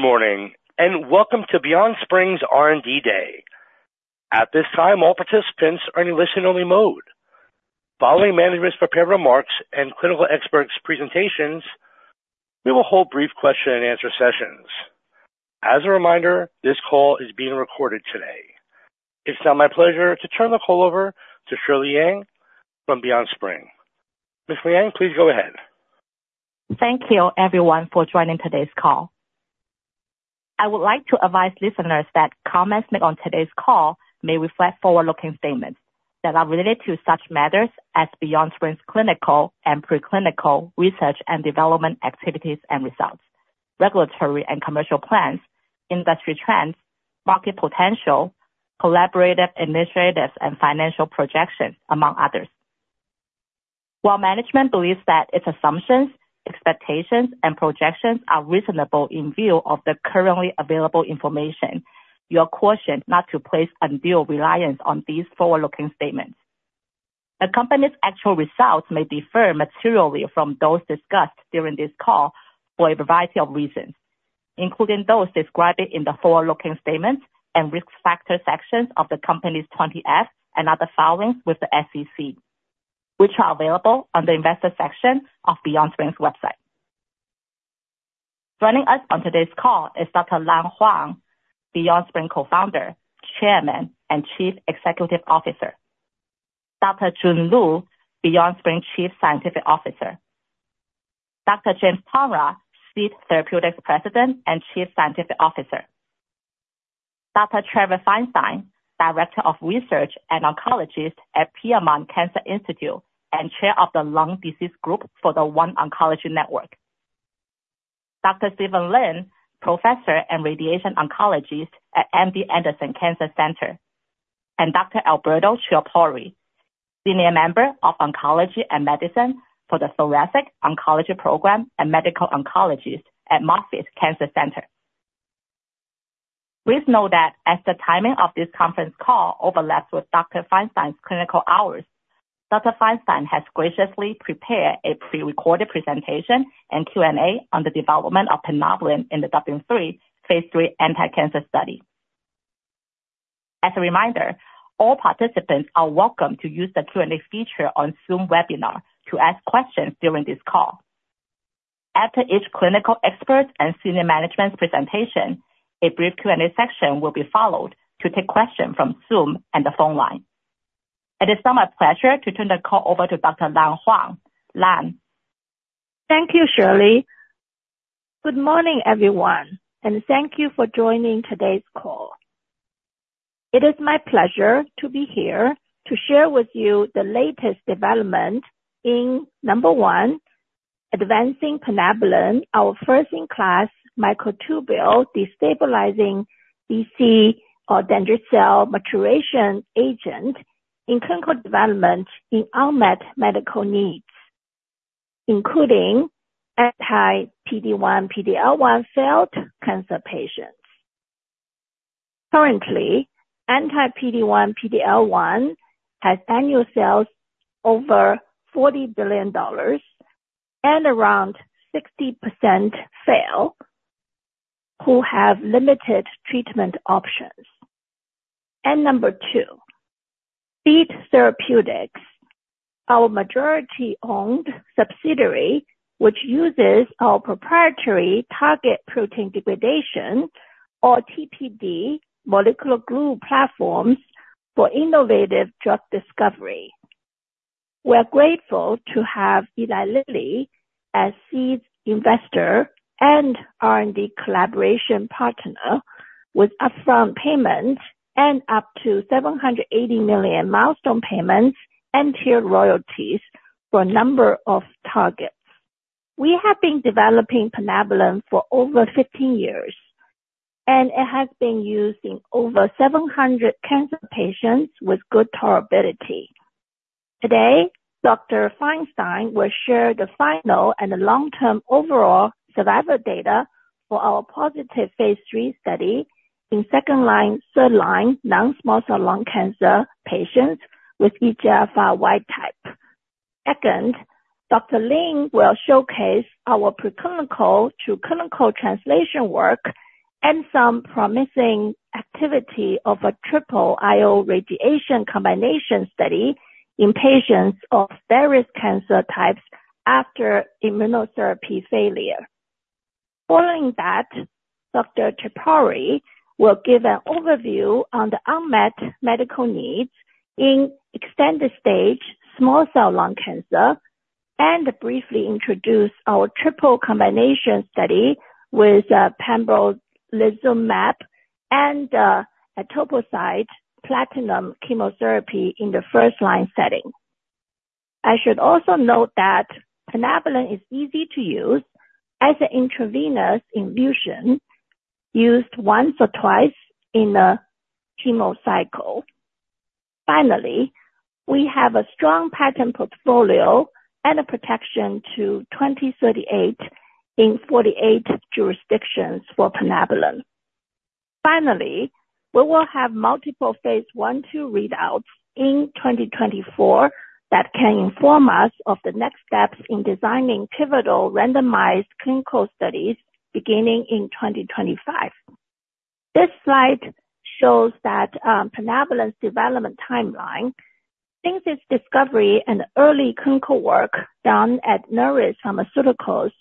Good morning and welcome to BeyondSpring's R&D Day. At this time, all participants are in a listen-only mode. Following management's prepared remarks and clinical experts' presentations, we will hold brief question-and-answer sessions. As a reminder, this call is being recorded today. It's now my pleasure to turn the call over to Shirley Liang from BeyondSpring. Ms. Liang, please go ahead. Thank you, everyone, for joining today's call. I would like to advise listeners that comments made on today's call may reflect forward-looking statements that are related to such matters as BeyondSpring's clinical and preclinical research and development activities and results, regulatory and commercial plans, industry trends, market potential, collaborative initiatives, and financial projections, among others. While management believes that its assumptions, expectations, and projections are reasonable in view of the currently available information, you are cautioned not to place undue reliance on these forward-looking statements. A company's actual results may differ materially from those discussed during this call for a variety of reasons, including those described in the forward-looking statements and risk factor sections of the company's 20-F and other filings with the SEC, which are available on the investor section of BeyondSpring's website. Joining us on today's call is Dr. Lan Huang, BeyondSpring Co-founder, Chairman, and Chief Executive Officer. Dr. Jun Lu, BeyondSpring Chief Scientific Officer. Dr. James Tonra, SEED Therapeutics President and Chief Scientific Officer. Dr. Trevor Feinstein, Director of Research and Oncologist at Piedmont Cancer Institute and Chair of the Lung Disease Group for the OneOncology Network. Dr. Steven Lin, Professor and Radiation Oncologist at MD Anderson Cancer Center. Dr. Alberto Chiappori, Senior Member of Oncology and Medicine for the Thoracic Oncology Program and Medical Oncologist at Moffitt Cancer Center. Please note that as the timing of this conference call overlaps with Dr. Feinstein's clinical hours, Dr. Feinstein has graciously prepared a prerecorded presentation and Q&A on the development of plinabulin in the Phase 3 anti-cancer study. As a reminder, all participants are welcome to use the Q&A feature on Zoom Webinar to ask questions during this call. After each clinical expert and senior management's presentation, a brief Q&A section will be followed to take questions from Zoom and the phone line. It is now my pleasure to turn the call over to Dr. Lan Huang. Lan. Thank you, Shirley. Good morning, everyone, and thank you for joining today's call. It is my pleasure to be here to share with you the latest development in, number one, advancing plinabulin, our first-in-class microtubule destabilizing DC or dendritic cell maturation agent, in clinical development in unmet medical needs, including anti-PD-1/PD-L1-failed cancer patients. Currently, anti-PD-1/PD-L1 has annual sales over $40 billion and around 60% fail, who have limited treatment options. And number two, SEED Therapeutics, our majority-owned subsidiary, which uses our proprietary targeted protein degradation, or TPD, molecular glue platforms for innovative drug discovery. We are grateful to have Eli Lilly as SEED investor and R&D collaboration partner, with upfront payments and up to $780 million milestone payments and tiered royalties for a number of targets. We have been developing plinabulin for over 15 years, and it has been used in over 700 cancer patients with good tolerability. Today, Dr. Feinstein will share the final and long-term overall survival data for our positive phase 3 study in second-line, third-line, non-small cell lung cancer patients with EGFR wild-type. Second, Dr. Lin will showcase our preclinical-to-clinical translation work and some promising activity of a triple IO radiation combination study in patients of various cancer types after immunotherapy failure. Following that, Dr. Chiappori will give an overview on the unmet medical needs in extensive-stage small cell lung cancer and briefly introduce our triple combination study with pembrolizumab and etoposide platinum chemotherapy in the first-line setting. I should also note that plinabulin is easy to use as an intravenous infusion, used once or twice in a chemo cycle. Finally, we have a strong patent portfolio and a protection to 2038 in 48 jurisdictions for plinabulin. Finally, we will have multiple phase I-II readouts in 2024 that can inform us of the next steps in designing pivotal randomized clinical studies beginning in 2025. This slide shows plinabulin's development timeline. Since its discovery and early clinical work done at Nereus Pharmaceuticals,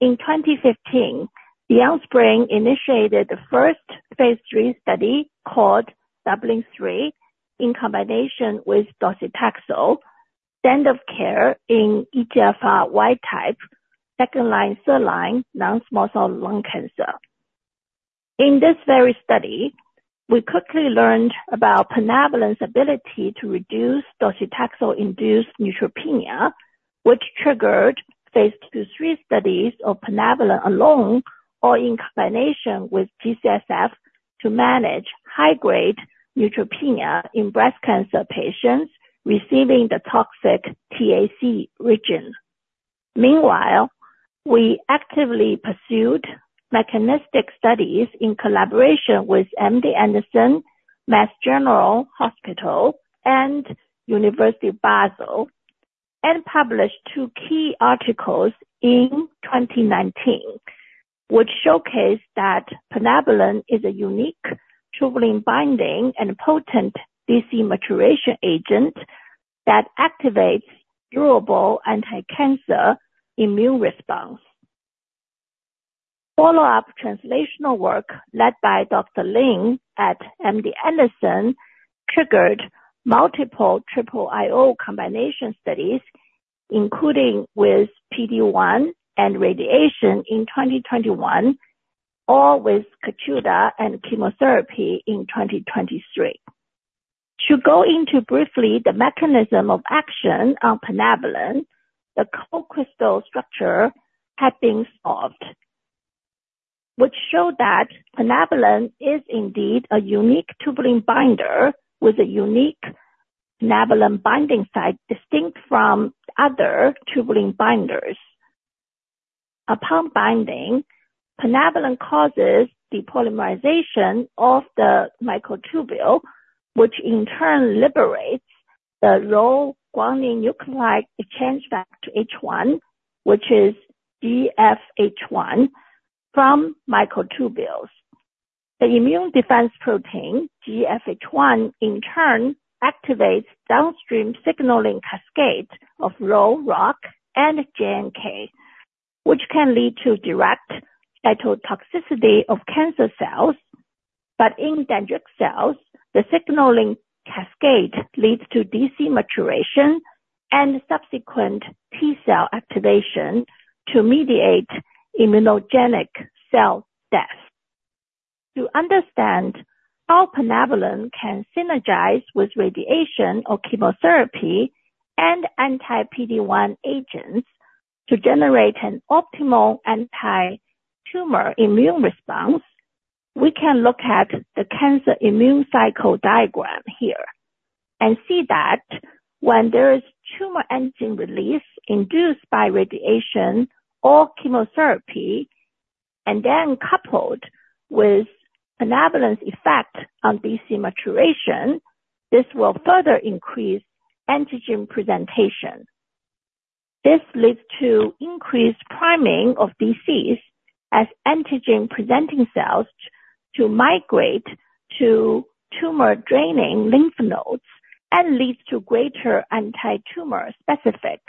in 2015, BeyondSpring initiated the first phase III study called DUBLIN-3 in combination with docetaxel, standard of care in EGFR wild-type, second-line, third-line, non-small cell lung cancer. In this very study, we quickly learned about plinabulin's ability to reduce docetaxel-induced neutropenia, which triggered phase II-III studies of plinabulin alone or in combination with G-CSF to manage high-grade neutropenia in breast cancer patients receiving the toxic TAC regimen. Meanwhile, we actively pursued mechanistic studies in collaboration with MD Anderson, Mass General Hospital, and University of Basel, and published two key articles in 2019, which showcased that plinabulin is a unique, truly binding and potent DC maturation agent that activates durable anti-cancer immune response. Follow-up translational work led by Dr. Lin at MD Anderson triggered multiple triple IO combination studies, including with PD-1 and radiation in 2021, or with Keytruda and chemotherapy in 2023. To go into briefly the mechanism of action on plinabulin, the co-crystal structure had been solved, which showed that plinabulin is indeed a unique tubulin binder with a unique plinabulin binding site distinct from other tubulin binders. Upon binding, plinabulin causes depolymerization of the microtubule, which in turn liberates the Rho guanine nucleotide exchange factor H1, which is GEF-H1, from microtubules. The immune defense protein GEF-H1, in turn, activates downstream signaling cascade of Rho, ROCK, and JNK, which can lead to direct cytotoxicity of cancer cells. But in dendritic cells, the signaling cascade leads to DC maturation and subsequent T cell activation to mediate immunogenic cell death. To understand how plinabulin can synergize with radiation or chemotherapy and anti-PD-1 agents to generate an optimal anti-tumor immune response, we can look at the cancer immune cycle diagram here and see that when there is tumor enzyme release induced by radiation or chemotherapy and then coupled with plinabulin's effect on DC maturation, this will further increase antigen presentation. This leads to increased priming of DCs as antigen-presenting cells migrate to tumor-draining lymph nodes and leads to greater anti-tumor specific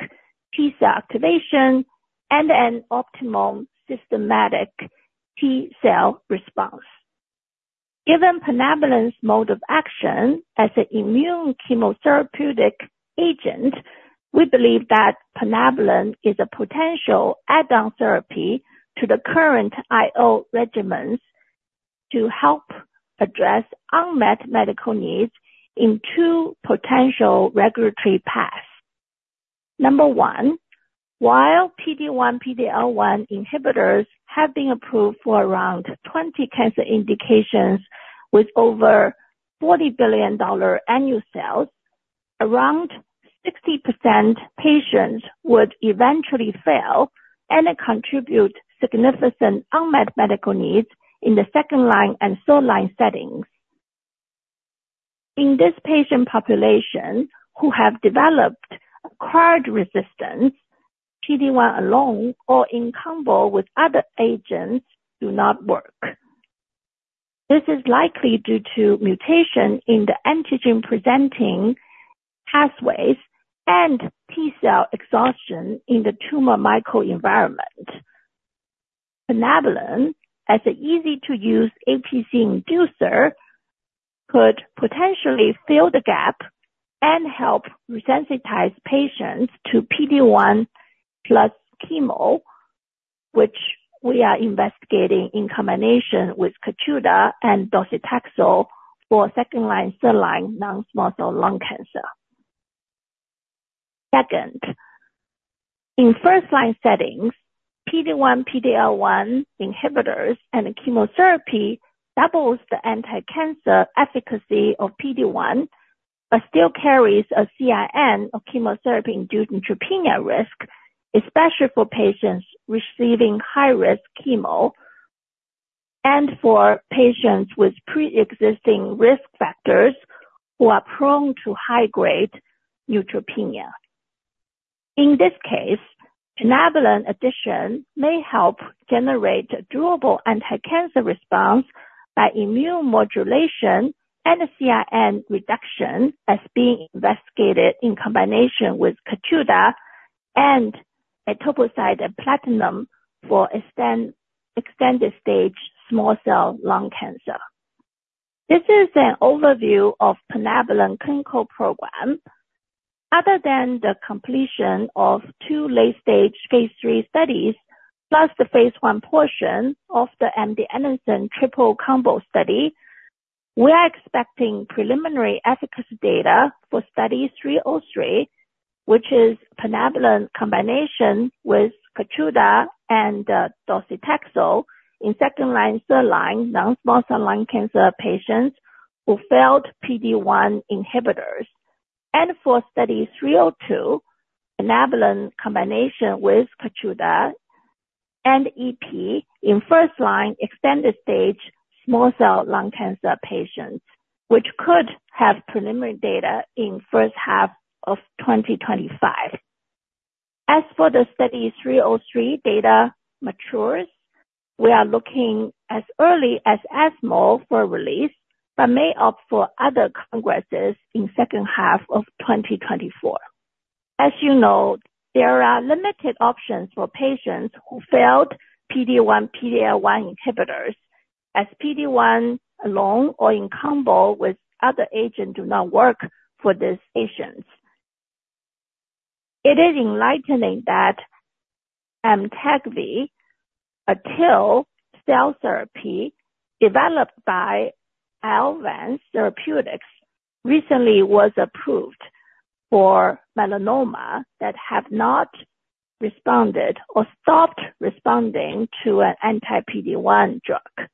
T cell activation and an optimal systematic T cell response. Given plinabulin's mode of action as an immune chemotherapeutic agent, we believe that plinabulin is a potential add-on therapy to the current IO regimens to help address unmet medical needs in two potential regulatory paths. Number one, while PD-1/PD-L1 inhibitors have been approved for around 20 cancer indications with over $40 billion annual sales, around 60% of patients would eventually fail and contribute significant unmet medical needs in the second-line and third-line settings. In this patient population who have developed acquired resistance, PD-1 alone or in combo with other agents do not work. This is likely due to mutation in the antigen-presenting pathways and T cell exhaustion in the tumor microenvironment. plinabulin, as an easy-to-use APC inducer, could potentially fill the gap and help resensitize patients to PD-1+ chemo, which we are investigating in combination with Keytruda and docetaxel for second-line, third-line, non-small cell lung cancer. Second, in first-line settings, PD-1/PD-L1 inhibitors and chemotherapy doubles the anti-cancer efficacy of PD-1 but still carries a CIN or chemotherapy-induced neutropenia risk, especially for patients receiving high-risk chemo and for patients with preexisting risk factors who are prone to high-grade neutropenia. In this case, plinabulin addition may help generate a durable anti-cancer response by immune modulation and CIN reduction as being investigated in combination with keytruda and etoposide platinum for extensive-stage small cell lung cancer. This is an overview of plinabulin's clinical program. Other than the completion of 2 late-stage phase III studies plus the phase I portion of the MD Anderson triple combo study, we are expecting preliminary efficacy data for Study 303, which is plinabulin combination with Keytruda and docetaxel in second-line, third-line, non-small cell lung cancer patients who failed PD-1 inhibitors, and for Study 302, plinabulin combination with Keytruda and EP in first-line, extensive-stage small cell lung cancer patients, which could have preliminary data in the first half of 2025. As for the Study 303 data matures, we are looking as early as ESMO for release but may opt for other congresses in the second half of 2024. As you know, there are limited options for patients who failed PD-1/PD-L1 inhibitors, as PD-1 alone or in combo with other agents do not work for these patients. It is enlightening that Amtagvi, a TIL cell therapy developed by Iovance Biotherapeutics, recently was approved for melanoma that has not responded or stopped responding to an anti-PD-1 drug.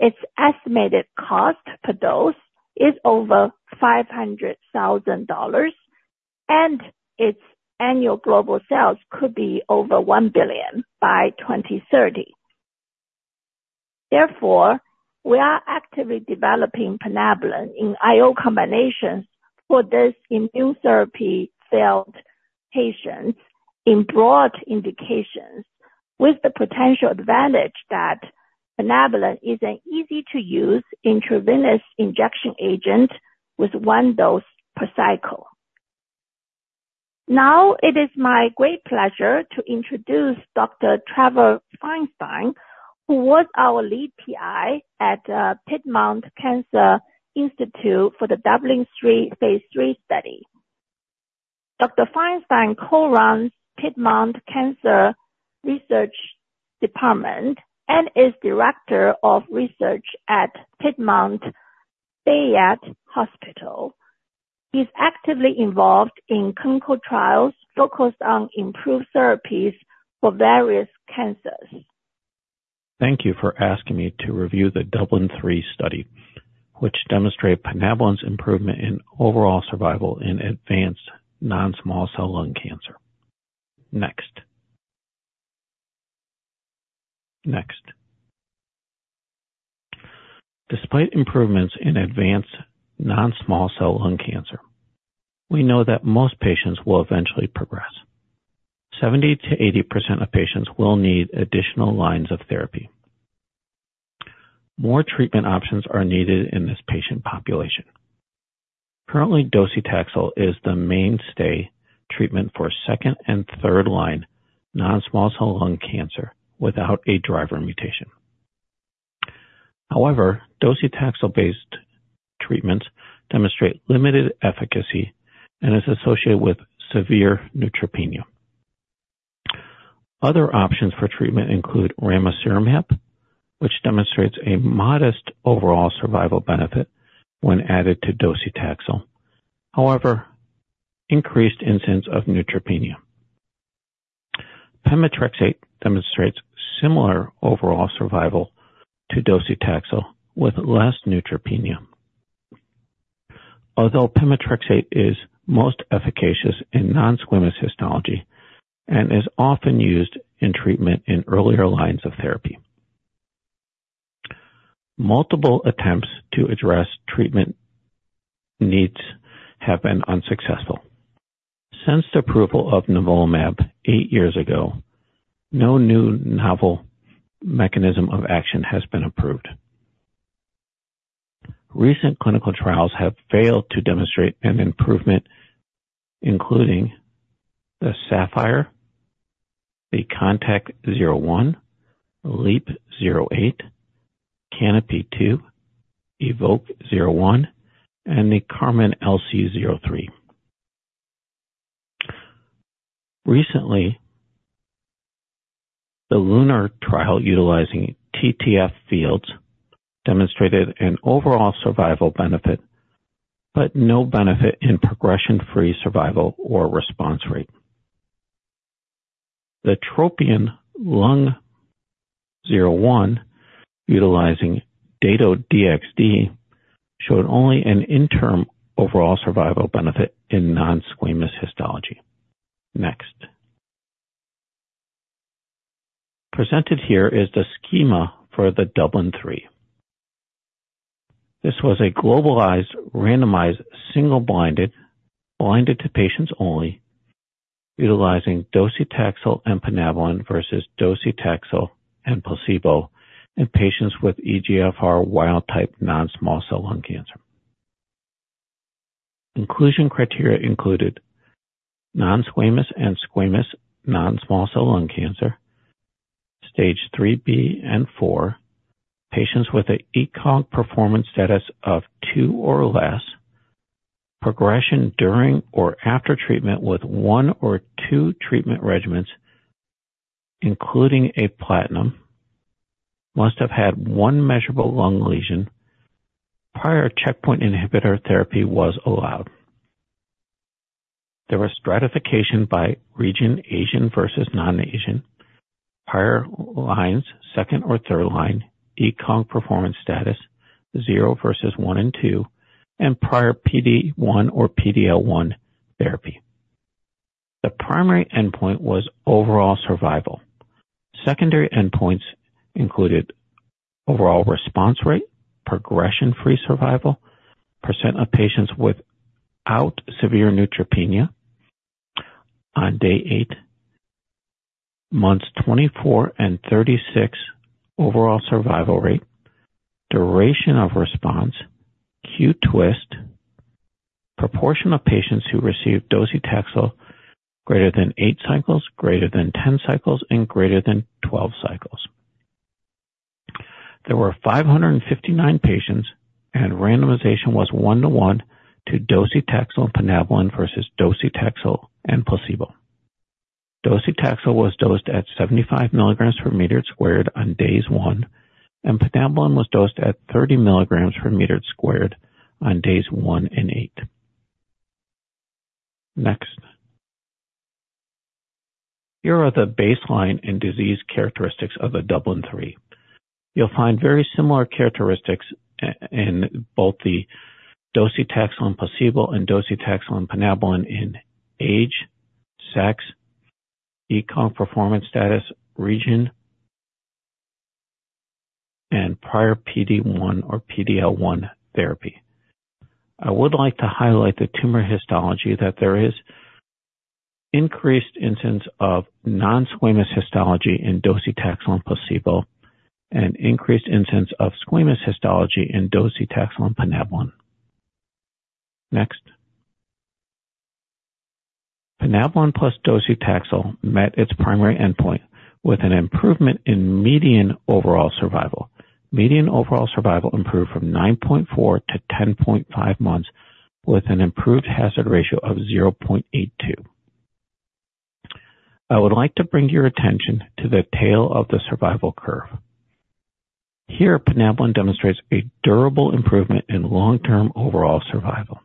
Its estimated cost per dose is over $500,000, and its annual global sales could be over $1 billion by 2030. Therefore, we are actively developing plinabulin in IO combinations for these immune therapy-failed patients in broad indications, with the potential advantage that plinabulin is an easy-to-use intravenous injection agent with one dose per cycle. Now, it is my great pleasure to introduce Dr. Trevor Feinstein, who was our lead PI at Piedmont Cancer Institute for the DUBLIN-3 phase 3 study. Dr. Feinstein co-runs Piedmont Cancer Research Department and is director of research at Piedmont Cancer Hospital. He's actively involved in clinical trials focused on improved therapies for various cancers. Thank you for asking me to review the DUBLIN-3 study, which demonstrated plinabulin's improvement in overall survival in advanced non-small cell lung cancer. Despite improvements in advanced non-small cell lung cancer, we know that most patients will eventually progress. 70%-80% of patients will need additional lines of therapy. More treatment options are needed in this patient population. Currently, docetaxel is the mainstay treatment for second and third-line non-small cell lung cancer without a driver mutation. However, docetaxel-based treatments demonstrate limited efficacy and are associated with severe neutropenia. Other options for treatment include ramucirumab, which demonstrates a modest overall survival benefit when added to docetaxel. However, increased incidence of neutropenia. Pemetrexed demonstrates similar overall survival to docetaxel with less neutropenia. Although pemetrexed is most efficacious in non-squamous histology and is often used in treatment in earlier lines of therapy, multiple attempts to address treatment needs have been unsuccessful. Since the approval of nivolumab eight years ago, no new novel mechanism of action has been approved. Recent clinical trials have failed to demonstrate an improvement, including the SAPPHIRE, the CONTACT-01, LEAP-008, CANOPY-2, EVOKE-01, and the CARMEN-LC03. Recently, the LUNAR trial utilizing TTF fields demonstrated an overall survival benefit but no benefit in progression-free survival or response rate. The TROPION-Lung01 utilizing Dato-DXd showed only an interim overall survival benefit in non-squamous histology. Next. Presented here is the schema for the DUBLIN-3. This was a globalized, randomized, single-blinded, blinded to patients only, utilizing docetaxel and plinabulin versus docetaxel and placebo in patients with EGFR wild-type non-small cell lung cancer. Inclusion criteria included non-squamous and squamous non-small cell lung cancer, Stage IIIB and IV, patients with an ECOG performance status of 2 or less, progression during or after treatment with 1 or 2 treatment regimens including a platinum, must have had 1 measurable lung lesion, prior checkpoint inhibitor therapy was allowed. There was stratification by region: Asian versus non-Asian, prior lines: second or third line, ECOG performance status: 0 versus 1 and 2, and prior PD-1 or PD-L1 therapy. The primary endpoint was overall survival. Secondary endpoints included overall response rate, progression-free survival, percent of patients without severe neutropenia on day 8, months 24 and 36, overall survival rate, duration of response, Q-TWiST, proportion of patients who received docetaxel greater than 8 cycles, greater than 10 cycles, and greater than 12 cycles. There were 559 patients and randomization was 1-to-1 to docetaxel and plinabulin versus docetaxel and placebo. Docetaxel was dosed at 75 mg/m² on days 1 and plinabulin was dosed at 30 mg/m² on days 1 and 8. Next. Here are the baseline and disease characteristics of the DUBLIN-3. You'll find very similar characteristics in both the docetaxel and placebo and docetaxel and plinabulin in age, sex, ECOG performance status, region, and prior PD-1 or PD-L1 therapy. I would like to highlight the tumor histology that there is increased incidence of non-squamous histology in docetaxel and placebo and increased incidence of squamous histology in docetaxel and plinabulin. Next. plinabulin plus docetaxel met its primary endpoint with an improvement in median overall survival. Median overall survival improved from 9.4-10.5 months with an improved hazard ratio of 0.82. I would like to bring your attention to the tail of the survival curve. Here, plinabulin demonstrates a durable improvement in long-term overall survival.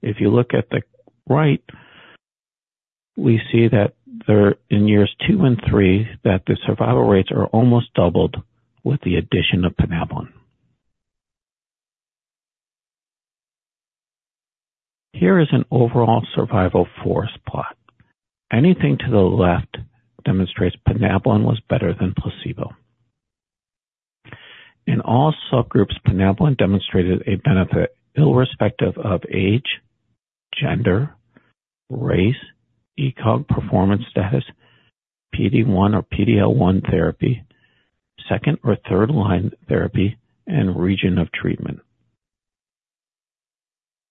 If you look at the right, we see that in years two and three that the survival rates are almost doubled with the addition of plinabulin. Here is an overall survival forest plot. Anything to the left demonstrates plinabulin was better than placebo. In all subgroups, plinabulin demonstrated a benefit irrespective of age, gender, race, ECOG performance status, PD-1 or PD-L1 therapy, second- or third-line therapy, and region of treatment.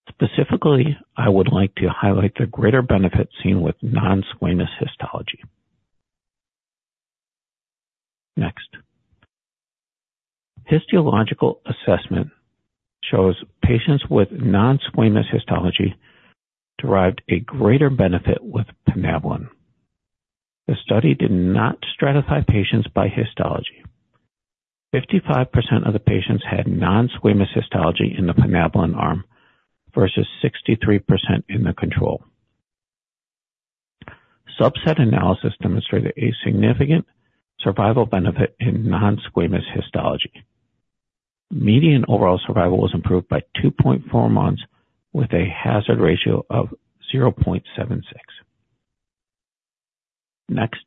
Specifically, I would like to highlight the greater benefit seen with non-squamous histology. Next. Histological assessment shows patients with non-squamous histology derived a greater benefit with plinabulin. The study did not stratify patients by histology. 55% of the patients had non-squamous histology in the plinabulin arm versus 63% in the control. Subset analysis demonstrated a significant survival benefit in non-squamous histology. Median overall survival was improved by 2.4 months with a hazard ratio of 0.76. Next.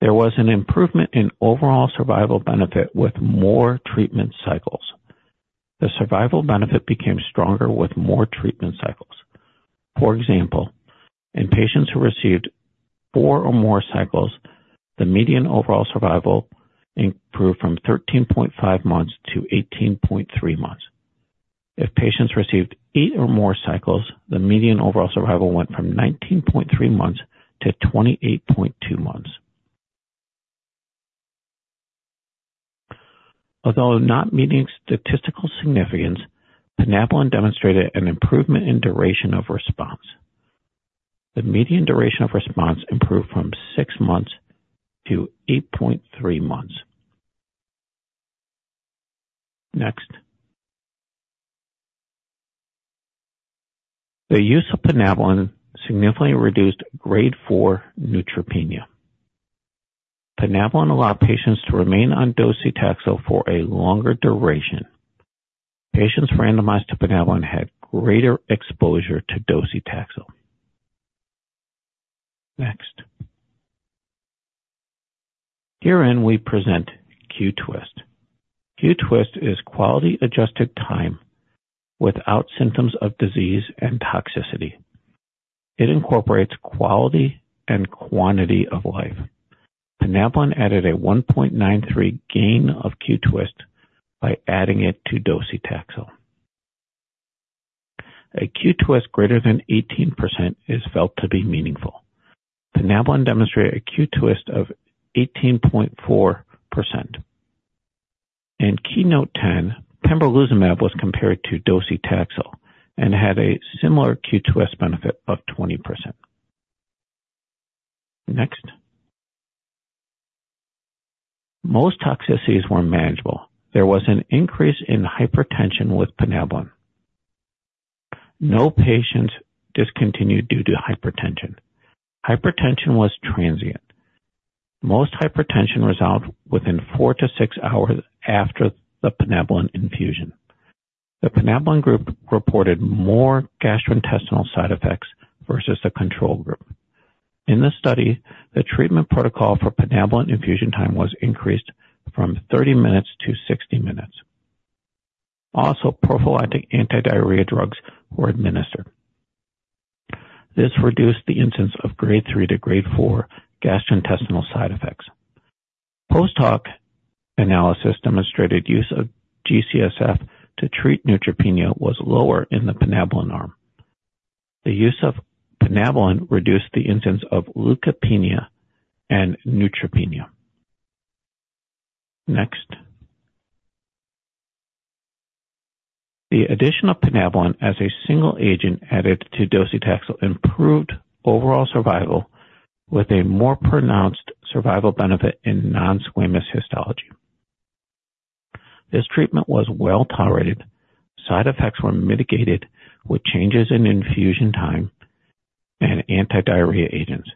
There was an improvement in overall survival benefit with more treatment cycles. The survival benefit became stronger with more treatment cycles. For example, in patients who received four or more cycles, the median overall survival improved from 13.5 months to 18.3 months. If patients received eight or more cycles, the median overall survival went from 19.3 months to 28.2 months. Although not meeting statistical significance, plinabulin demonstrated an improvement in duration of response. The median duration of response improved from six months to 8.3 months. Next. The use of plinabulin significantly reduced grade four neutropenia. plinabulin allowed patients to remain on docetaxel for a longer duration. Patients randomized to plinabulin had greater exposure to docetaxel. Next. Herein we present Q-TWiST. Q-TWiST is quality-adjusted time without symptoms of disease and toxicity. It incorporates quality and quantity of life. plinabulin added a 1.93 gain of Q-TWiST by adding it to docetaxel. A Q-TWiST greater than 18% is felt to be meaningful. plinabulin demonstrated a Q-TWiST of 18.4%. In KEYNOTE-010, pembrolizumab was compared to docetaxel and had a similar Q-TWiST benefit of 20%. Next. Most toxicities were manageable. There was an increase in hypertension with plinabulin. No patients discontinued due to hypertension. Hypertension was transient. Most hypertension resolved within 4-6 hours after the plinabulin infusion. The plinabulin group reported more gastrointestinal side effects versus the control group. In the study, the treatment protocol for plinabulin infusion time was increased from 30 minutes to 60 minutes. Also, prophylactic antidiarrhea drugs were administered. This reduced the incidence of grade 3-4 gastrointestinal side effects. Post-hoc analysis demonstrated use of G-CSF to treat neutropenia was lower in the plinabulin arm. The use of plinabulin reduced the incidence of leukopenia and neutropenia. Next. The addition of plinabulin as a single agent added to docetaxel improved overall survival with a more pronounced survival benefit in non-squamous histology. This treatment was well tolerated. Side effects were mitigated with changes in infusion time and antidiarrhea agents.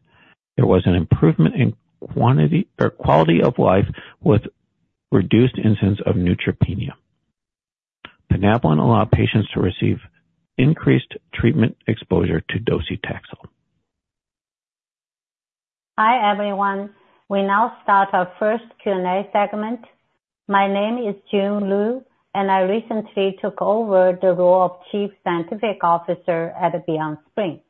There was an improvement in quality of life with reduced incidence of neutropenia. plinabulin allowed patients to receive increased treatment exposure to docetaxel. Hi, everyone. We now start our first Q&A segment. My name is Jun Lu and I recently took over the role of Chief Scientific Officer at BeyondSpring.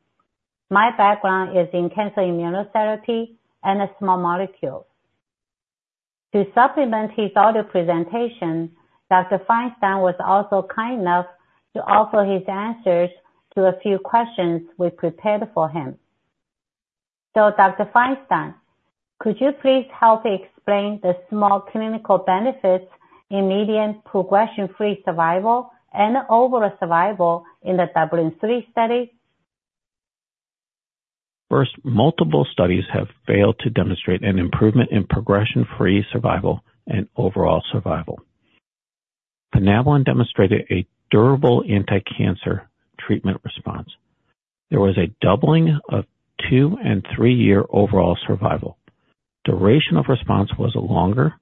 My background is in cancer immunotherapy and small molecules. To supplement his audio presentation, Dr. Feinstein was also kind enough to offer his answers to a few questions we prepared for him. So, Dr. Feinstein, could you please help explain the small clinical benefits in median progression-free survival and overall survival in the DUBLIN-3 study? First, multiple studies have failed to demonstrate an improvement in progression-free survival and overall survival. plinabulin demonstrated a durable anti-cancer treatment response. There was a doubling of 2- and 3-year overall survival. Duration of response was longer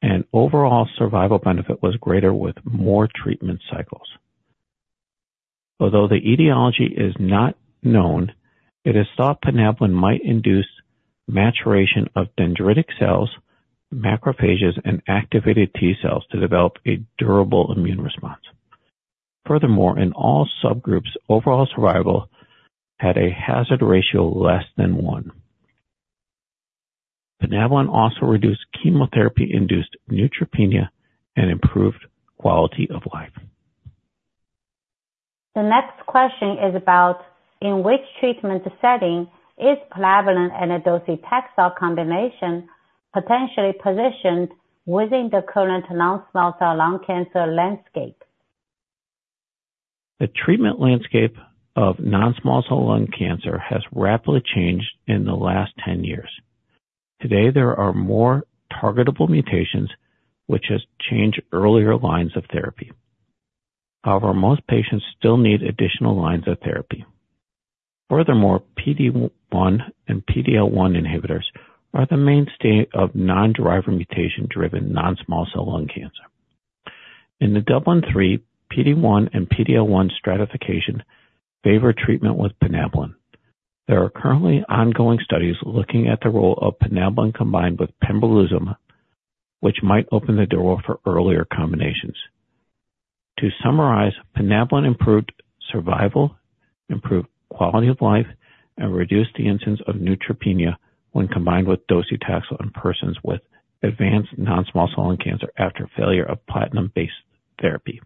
and overall survival benefit was greater with more treatment cycles. Although the etiology is not known, it is thought plinabulin might induce maturation of dendritic cells, macrophages, and activated T-cells to develop a durable immune response. Furthermore, in all subgroups, overall survival had a hazard ratio less than one. plinabulin also reduced chemotherapy-induced neutropenia and improved quality of life. The next question is about in which treatment setting is plinabulin and a docetaxel combination potentially positioned within the current non-small cell lung cancer landscape? The treatment landscape of non-small cell lung cancer has rapidly changed in the last 10 years. Today, there are more targetable mutations which has changed earlier lines of therapy. However, most patients still need additional lines of therapy. Furthermore, PD-1 and PD-L1 inhibitors are the mainstay of non-driver mutation-driven non-small cell lung cancer. In the DUBLIN-3, PD-1 and PD-L1 stratification favor treatment with plinabulin. There are currently ongoing studies looking at the role of plinabulin combined with pembrolizumab which might open the door for earlier combinations. To summarize, plinabulin improved survival, improved quality of life, and reduced the incidence of neutropenia when combined with docetaxel in persons with advanced non-small cell lung cancer after failure of platinum-based therapy.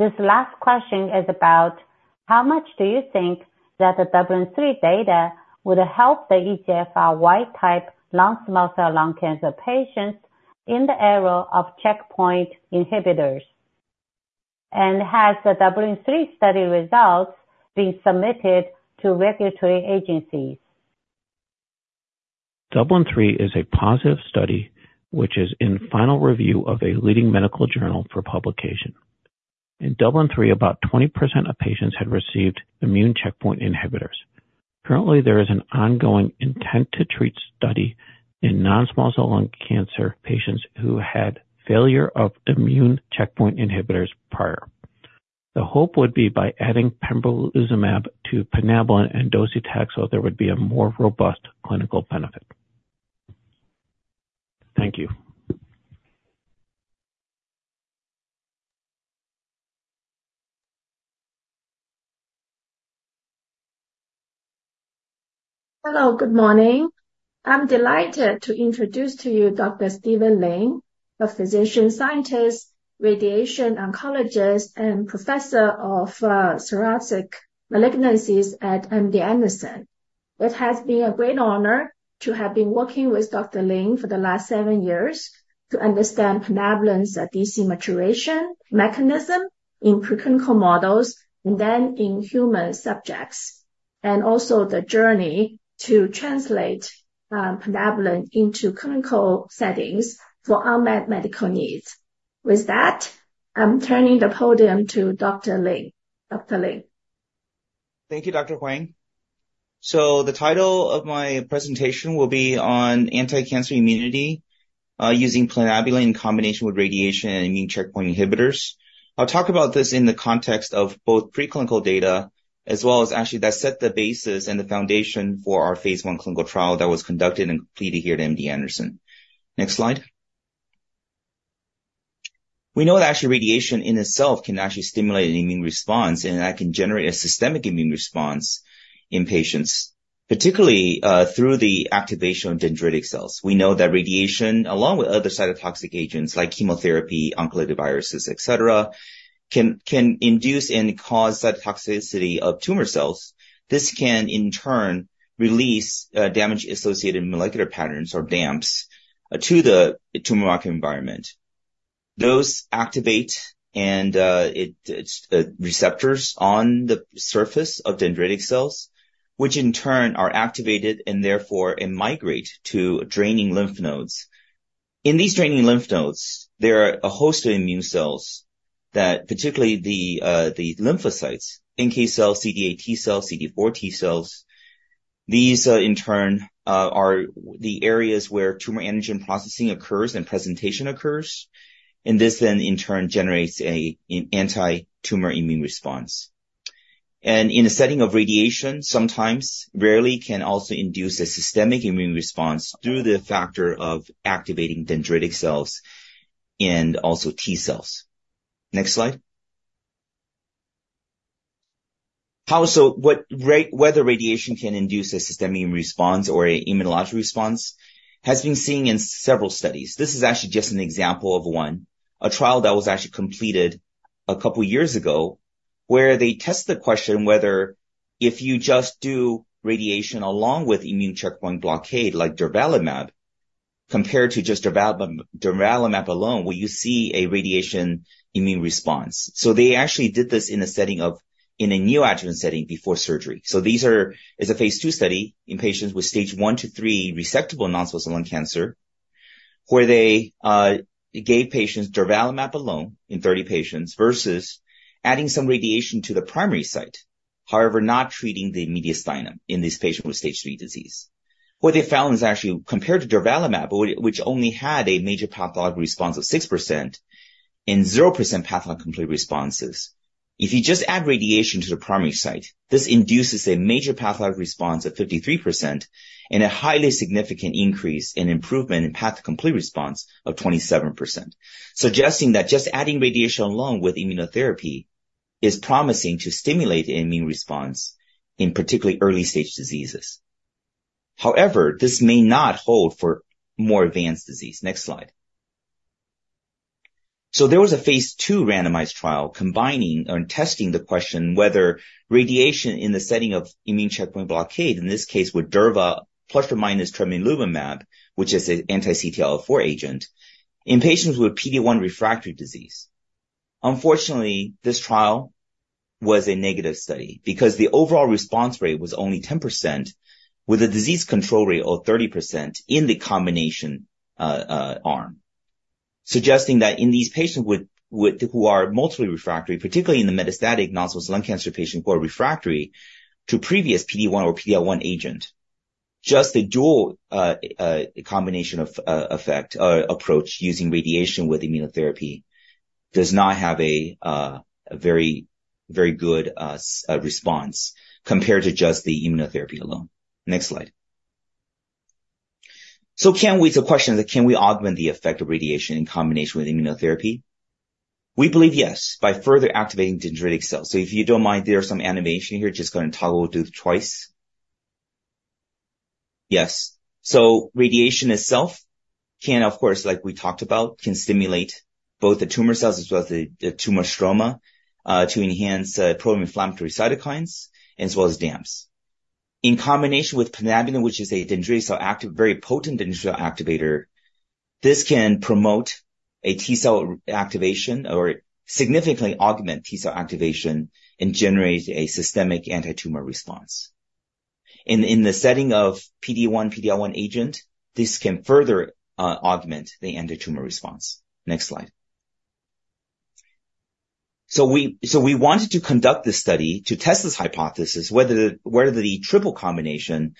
This last question is about how much do you think that the DUBLIN-3 data would help the EGFR wild-type non-small cell lung cancer patients in the era of checkpoint inhibitors? Has the DUBLIN-3 study results been submitted to regulatory agencies? DUBLIN-3 is a positive study which is in final review of a leading medical journal for publication. In DUBLIN-3, about 20% of patients had received immune checkpoint inhibitors. Currently, there is an ongoing intent-to-treat study in non-small cell lung cancer patients who had failure of immune checkpoint inhibitors prior. The hope would be by adding pembrolizumab to plinabulin and docetaxel there would be a more robust clinical benefit. Thank you. Hello, good morning. I'm delighted to introduce to you Dr. Steven Lin, a physician scientist, radiation oncologist, and professor of thoracic malignancies at MD Anderson. It has been a great honor to have been working with Dr. Lin for the last seven years to understand plinabulin's DC maturation mechanism in preclinical models and then in human subjects, and also the journey to translate plinabulin into clinical settings for unmet medical needs. With that, I'm turning the podium to Dr. Lin. Dr. Lin. Thank you, Dr. Huang. The title of my presentation will be on anti-cancer immunity using plinabulin in combination with radiation and immune checkpoint inhibitors. I'll talk about this in the context of both preclinical data as well as actually that set the basis and the foundation for our phase one clinical trial that was conducted and completed here at MD Anderson. Next slide. We know that actually radiation in itself can actually stimulate an immune response and that can generate a systemic immune response in patients, particularly through the activation of dendritic cells. We know that radiation, along with other cytotoxic agents like chemotherapy, oncolytic viruses, etc., can induce and cause cytotoxicity of tumor cells. This can, in turn, release damage-associated molecular patterns or DAMPs to the tumor microenvironment. Those activate receptors on the surface of dendritic cells which, in turn, are activated and therefore migrate to draining lymph nodes. In these draining lymph nodes, there are a host of immune cells that, particularly the lymphocytes, NK cells, CD8 T-cells, CD4 T-cells. These, in turn, are the areas where tumor antigen processing occurs and presentation occurs, and this then, in turn, generates an anti-tumor immune response. And in a setting of radiation, sometimes, rarely can also induce a systemic immune response through the factor of activating dendritic cells and also T-cells. Next slide. So, whether radiation can induce a systemic immune response or an immunologic response has been seen in several studies. This is actually just an example of one, a trial that was actually completed a couple of years ago where they test the question whether if you just do radiation along with immune checkpoint blockade like durvalumab compared to just durvalumab alone, will you see a radiation immune response. So, they actually did this in a neoadjuvant setting before surgery. So, this is, it's a phase 2 study in patients with stage 1-3 resectable non-small cell lung cancer where they gave patients durvalumab alone in 30 patients versus adding some radiation to the primary site, however, not treating the mediastinum in this patient with stage 3 disease. What they found is actually compared to durvalumab, which only had a major pathologic response of 6% and 0% pathologic complete responses, if you just add radiation to the primary site, this induces a major pathologic response of 53% and a highly significant increase in improvement in pathologic complete response of 27%, suggesting that just adding radiation along with immunotherapy is promising to stimulate an immune response in particularly early-stage diseases. However, this may not hold for more advanced disease. Next slide. So, there was a phase 2 randomized trial combining or testing the question whether radiation in the setting of immune checkpoint blockade, in this case, with durva + or -tremelimumab, which is an anti-CTLA-4 agent, in patients with PD-1 refractory disease. Unfortunately, this trial was a negative study because the overall response rate was only 10% with a disease control rate of 30% in the combination arm, suggesting that in these patients who are multi-refractory, particularly in the metastatic non-small cell lung cancer patients who are refractory to previous PD-1 or PD-L1 agent, just the dual combination of effect approach using radiation with immunotherapy does not have a very good response compared to just the immunotherapy alone. Next slide. So, the question is, can we augment the effect of radiation in combination with immunotherapy? We believe, yes, by further activating dendritic cells. So, if you don't mind, there's some animation here. Just going to toggle through twice. Yes. So, radiation itself can, of course, like we talked about, can stimulate both the tumor cells as well as the tumor stroma to enhance pro-inflammatory cytokines as well as DAMPs. In combination with plinabulin, which is a dendritic cell active, very potent dendritic cell activator, this can promote a T-cell activation or significantly augment T-cell activation and generate a systemic anti-tumor response. In the setting of PD-1, PD-L1 agent, this can further augment the anti-tumor response. Next slide. So, we wanted to conduct this study to test this hypothesis, whether the triple combination,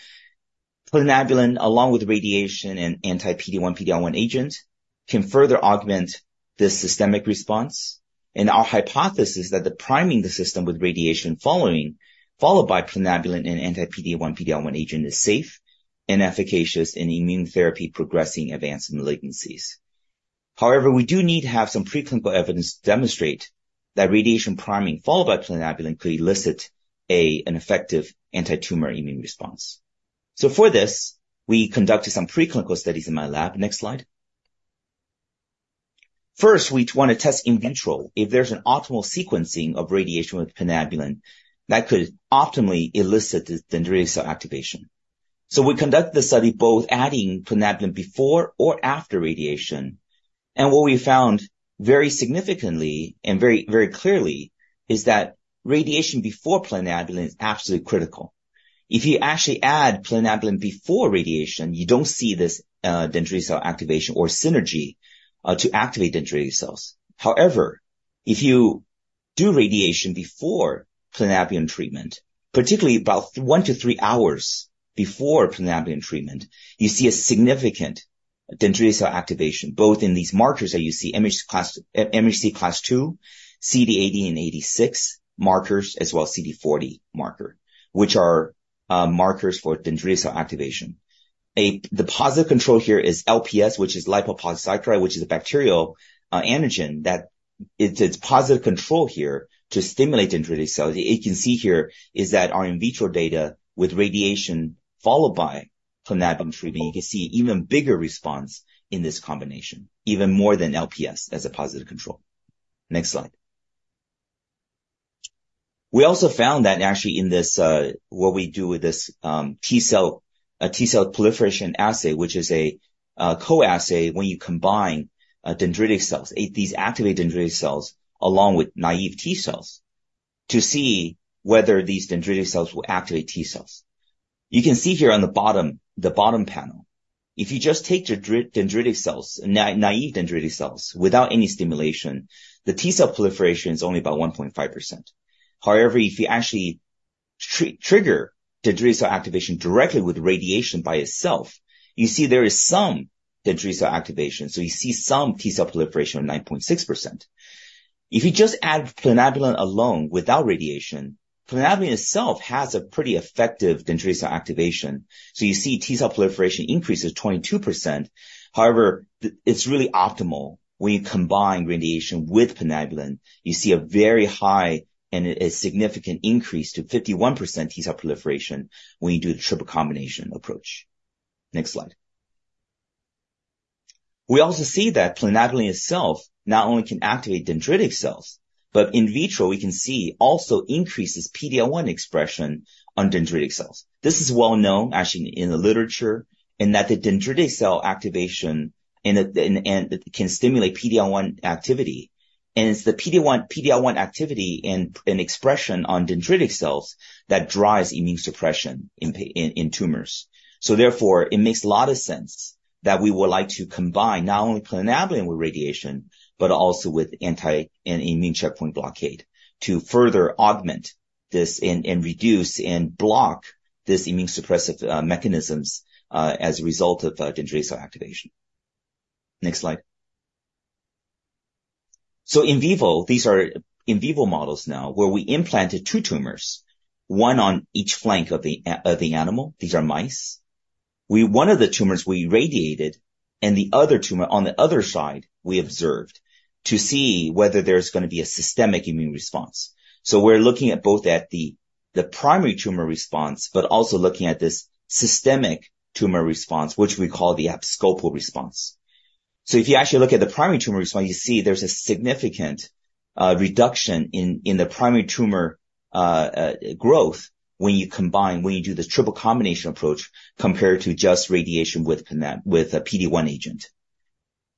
plinabulin along with radiation and anti-PD-1, PD-L1 agent, can further augment the systemic response. And our hypothesis is that the priming the system with radiation following, followed by plinabulin and anti-PD-1, PD-L1 agent, is safe and efficacious in immunotherapy progressing advanced malignancies. However, we do need to have some preclinical evidence to demonstrate that radiation priming followed by plinabulin could elicit an effective anti-tumor immune response. So, for this, we conducted some preclinical studies in my lab. Next slide. First, we want to test in vitro if there's an optimal sequencing of radiation with plinabulin that could optimally elicit the dendritic cell activation. We conducted the study both adding plinabulin before or after radiation. What we found very significantly and very clearly is that radiation before plinabulin is absolutely critical. If you actually add plinabulin before radiation, you don't see this dendritic cell activation or synergy to activate dendritic cells. However, if you do radiation before plinabulin treatment, particularly about 1-3 hours before plinabulin treatment, you see a significant dendritic cell activation both in these markers that you see, MHC class II, CD80 and 86 markers, as well as CD40 marker, which are markers for dendritic cell activation. The positive control here is LPS, which is lipopolysaccharide, which is a bacterial antigen. It's positive control here to stimulate dendritic cells. What you can see here is that our in vitro data with radiation followed by plinabulin treatment, you can see even bigger response in this combination, even more than LPS as a positive control. Next slide. We also found that actually in what we do with this T-cell proliferation assay, which is a co-assay when you combine dendritic cells, these activate dendritic cells along with naive T-cells to see whether these dendritic cells will activate T-cells. You can see here on the bottom panel, if you just take your dendritic cells, naive dendritic cells, without any stimulation, the T-cell proliferation is only about 1.5%. However, if you actually trigger dendritic cell activation directly with radiation by itself, you see there is some dendritic cell activation. So, you see some T-cell proliferation of 9.6%. If you just add plinabulin alone without radiation, plinabulin itself has a pretty effective dendritic cell activation. So, you see T-cell proliferation increases 22%. However, it's really optimal when you combine radiation with plinabulin. You see a very high and a significant increase to 51% T-cell proliferation when you do the triple combination approach. Next slide. We also see that plinabulin itself not only can activate dendritic cells, but in vitro, we can see also increases PD-L1 expression on dendritic cells. This is well known actually in the literature in that the dendritic cell activation can stimulate PD-L1 activity. And it's the PD-L1 activity and expression on dendritic cells that drives immune suppression in tumors. So, therefore, it makes a lot of sense that we would like to combine not only plinabulin with radiation but also with anti-immune checkpoint blockade to further augment this and reduce and block these immune suppressive mechanisms as a result of dendritic cell activation. Next slide. So, in vivo, these are in vivo models now where we implanted two tumors, one on each flank of the animal. These are mice. One of the tumors, we radiated, and the other tumor on the other side, we observed to see whether there's going to be a systemic immune response. So, we're looking at both the primary tumor response but also looking at this systemic tumor response, which we call the abscopal response. So, if you actually look at the primary tumor response, you see there's a significant reduction in the primary tumor growth when you combine, when you do the triple combination approach compared to just radiation with a PD-1 agent.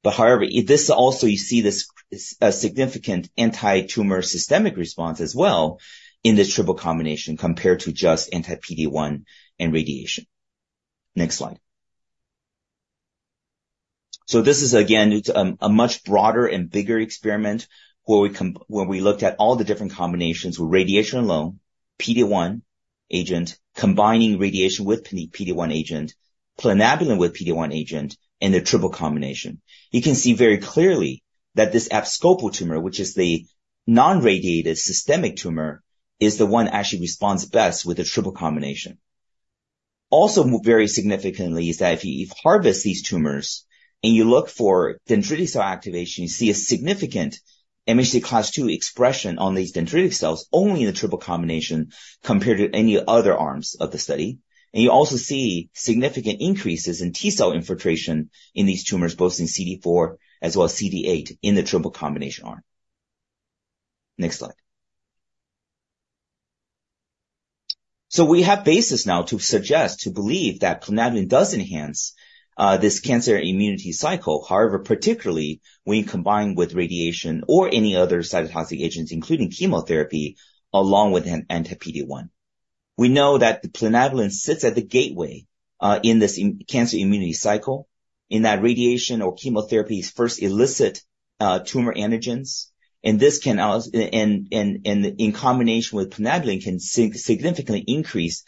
But however, this also you see this significant anti-tumor systemic response as well in the triple combination compared to just anti-PD-1 and radiation. Next slide. So, this is, again, a much broader and bigger experiment where we looked at all the different combinations with radiation alone, PD-1 agent, combining radiation with PD-1 agent, plinabulin with PD-1 agent, and the triple combination. You can see very clearly that this abscopal tumor, which is the non-radiated systemic tumor, is the one that actually responds best with the triple combination. Also, very significantly is that if you harvest these tumors and you look for dendritic cell activation, you see a significant MHC class II expression on these dendritic cells only in the triple combination compared to any other arms of the study. And you also see significant increases in T cell infiltration in these tumors, both in CD4 as well as CD8 in the triple combination arm. Next slide. So, we have basis now to suggest, to believe that plinabulin does enhance this cancer immunity cycle. However, particularly when you combine with radiation or any other cytotoxic agents, including chemotherapy, along with anti-PD-1. We know that the plinabulin sits at the gateway in this cancer immunity cycle in that radiation or chemotherapy first elicit tumor antigens. This can, in combination with plinabulin, can significantly increase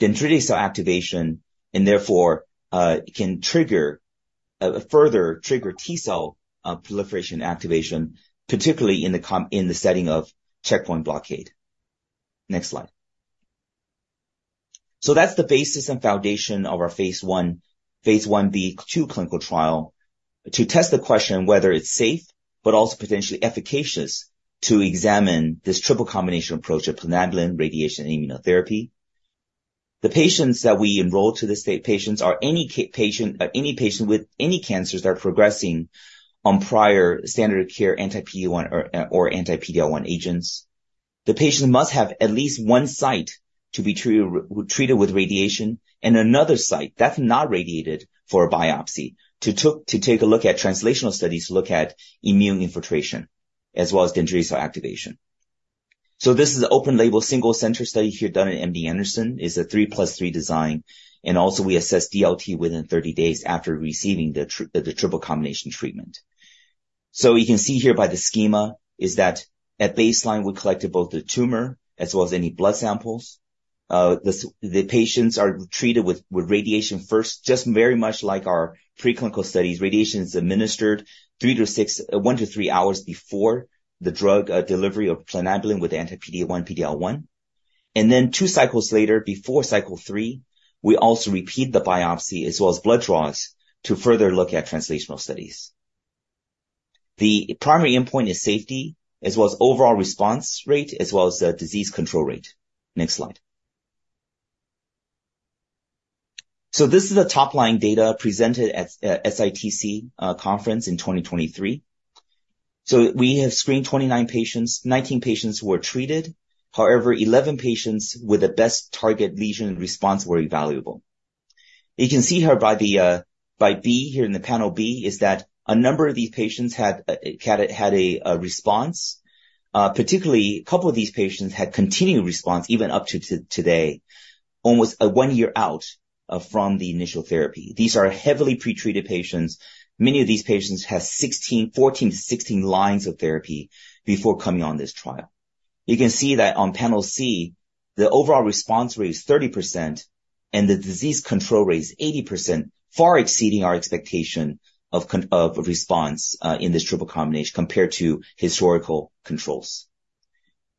dendritic cell activation and therefore can further trigger T cell proliferation activation, particularly in the setting of checkpoint blockade. Next slide. So, that's the basis and foundation of our phase 1, phase 1b, 2 clinical trial to test the question whether it's safe but also potentially efficacious to examine this triple combination approach of plinabulin, radiation, and immunotherapy. The patients that we enroll to this date, patients are any patient with any cancers that are progressing on prior standard of care anti-PD-1 or anti-PD-L1 agents. The patient must have at least one site to be treated with radiation and another site that's not radiated for a biopsy to take a look at translational studies to look at immune infiltration as well as dendritic cell activation. So, this is an open-label single-center study here done at MD Anderson. It's a 3+3 design. Also, we assess DLT within 30 days after receiving the triple combination treatment. So, you can see here by the schema is that at baseline, we collected both the tumor as well as any blood samples. The patients are treated with radiation first, just very much like our preclinical studies. Radiation is administered 1-3 hours before the drug delivery of plinabulin with anti-PD-1, PD-L1. Then two cycles later, before cycle 3, we also repeat the biopsy as well as blood draws to further look at translational studies. The primary endpoint is safety as well as overall response rate as well as the disease control rate. Next slide. This is the top-line data presented at SITC conference in 2023. We have screened 29 patients. 19 patients were treated. However, 11 patients with the best target lesion response were evaluable. You can see here by B here in the panel B is that a number of these patients had a response. Particularly, a couple of these patients had continued response even up to today, almost one year out from the initial therapy. These are heavily pretreated patients. Many of these patients have 14-16 lines of therapy before coming on this trial. You can see that on panel C, the overall response rate is 30% and the disease control rate is 80%, far exceeding our expectation of response in this triple combination compared to historical controls.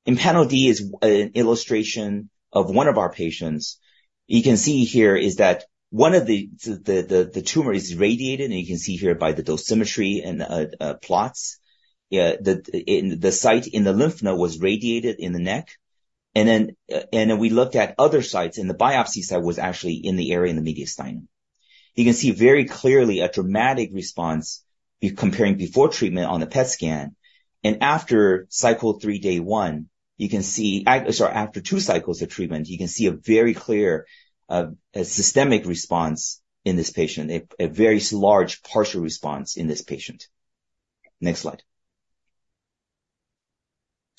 In panel D is an illustration of one of our patients. You can see here is that one of the tumors is radiated. And you can see here by the dosimetry and plots, the site in the lymph node was radiated in the neck. And then we looked at other sites. The biopsy site was actually in the area in the mediastinum. You can see very clearly a dramatic response comparing before treatment on the PET scan. After cycle 3, day 1, you can see sorry, after 2 cycles of treatment, you can see a very clear systemic response in this patient, a very large partial response in this patient. Next slide.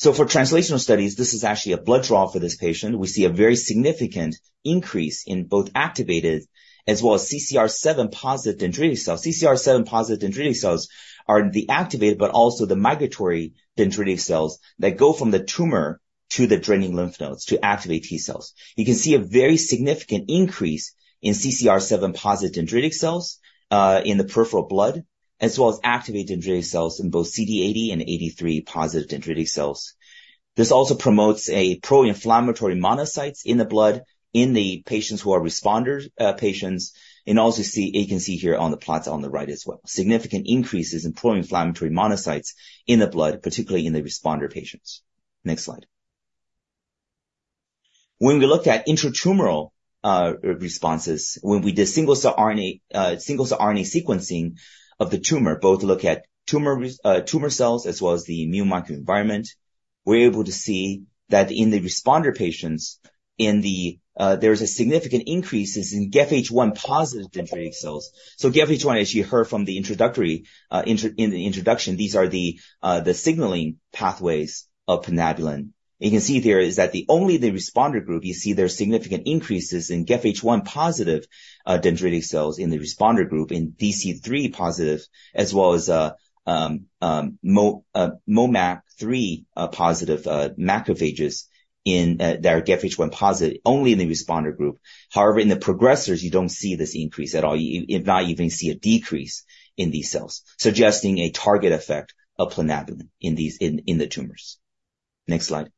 For translational studies, this is actually a blood draw for this patient. We see a very significant increase in both activated as well as CCR7-positive dendritic cells. CCR7-positive dendritic cells are the activated but also the migratory dendritic cells that go from the tumor to the draining lymph nodes to activate T cells. You can see a very significant increase in CCR7-positive dendritic cells in the peripheral blood as well as activated dendritic cells in both CD80 and CD83-positive dendritic cells. This also promotes pro-inflammatory monocytes in the blood in the patients who are responder patients. Also, you can see here on the plots on the right as well, significant increases in pro-inflammatory monocytes in the blood, particularly in the responder patients. Next slide. When we looked at intratumoral responses, when we did single-cell RNA sequencing of the tumor, both look at tumor cells as well as the immune microenvironment, we're able to see that in the responder patients, there's a significant increase in GEF-H1-positive dendritic cells. So, GEF-H1, as you heard from the introduction, these are the signaling pathways of plinabulin. You can see here is that only the responder group, you see there's significant increases in GEF-H1-positive dendritic cells in the responder group in DC3-positive as well as MoMac3-positive macrophages that are GEF-H1-positive only in the responder group. However, in the progressors, you don't see this increase at all. You do not even see a decrease in these cells, suggesting a target effect of plinabulin in the tumors. Next slide.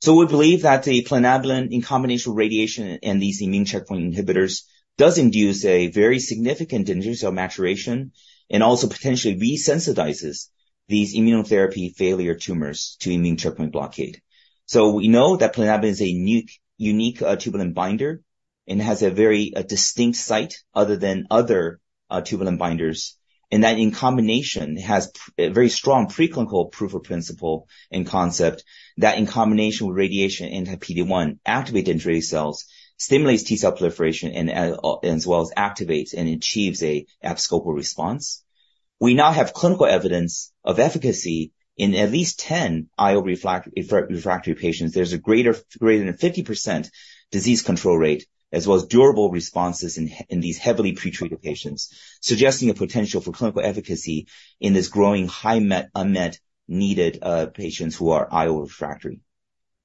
So, we believe that the pplinabulin in combination with radiation and these immune checkpoint inhibitors does induce a very significant dendritic cell maturation and also potentially resensitizes these immunotherapy failure tumors to immune checkpoint blockade. So, we know that plinabulin is a unique tubulin binder and has a very distinct site other than other tubulin binders. And that in combination, it has a very strong preclinical proof of principle and concept that in combination with radiation, anti-PD-1 activate dendritic cells, stimulates T cell proliferation as well as activates and achieves an abscopal response. We now have clinical evidence of efficacy in at least 10 IO refractory patients. There's a greater than 50% disease control rate as well as durable responses in these heavily pretreated patients, suggesting a potential for clinical efficacy in this growing high unmet need patients who are IO refractory.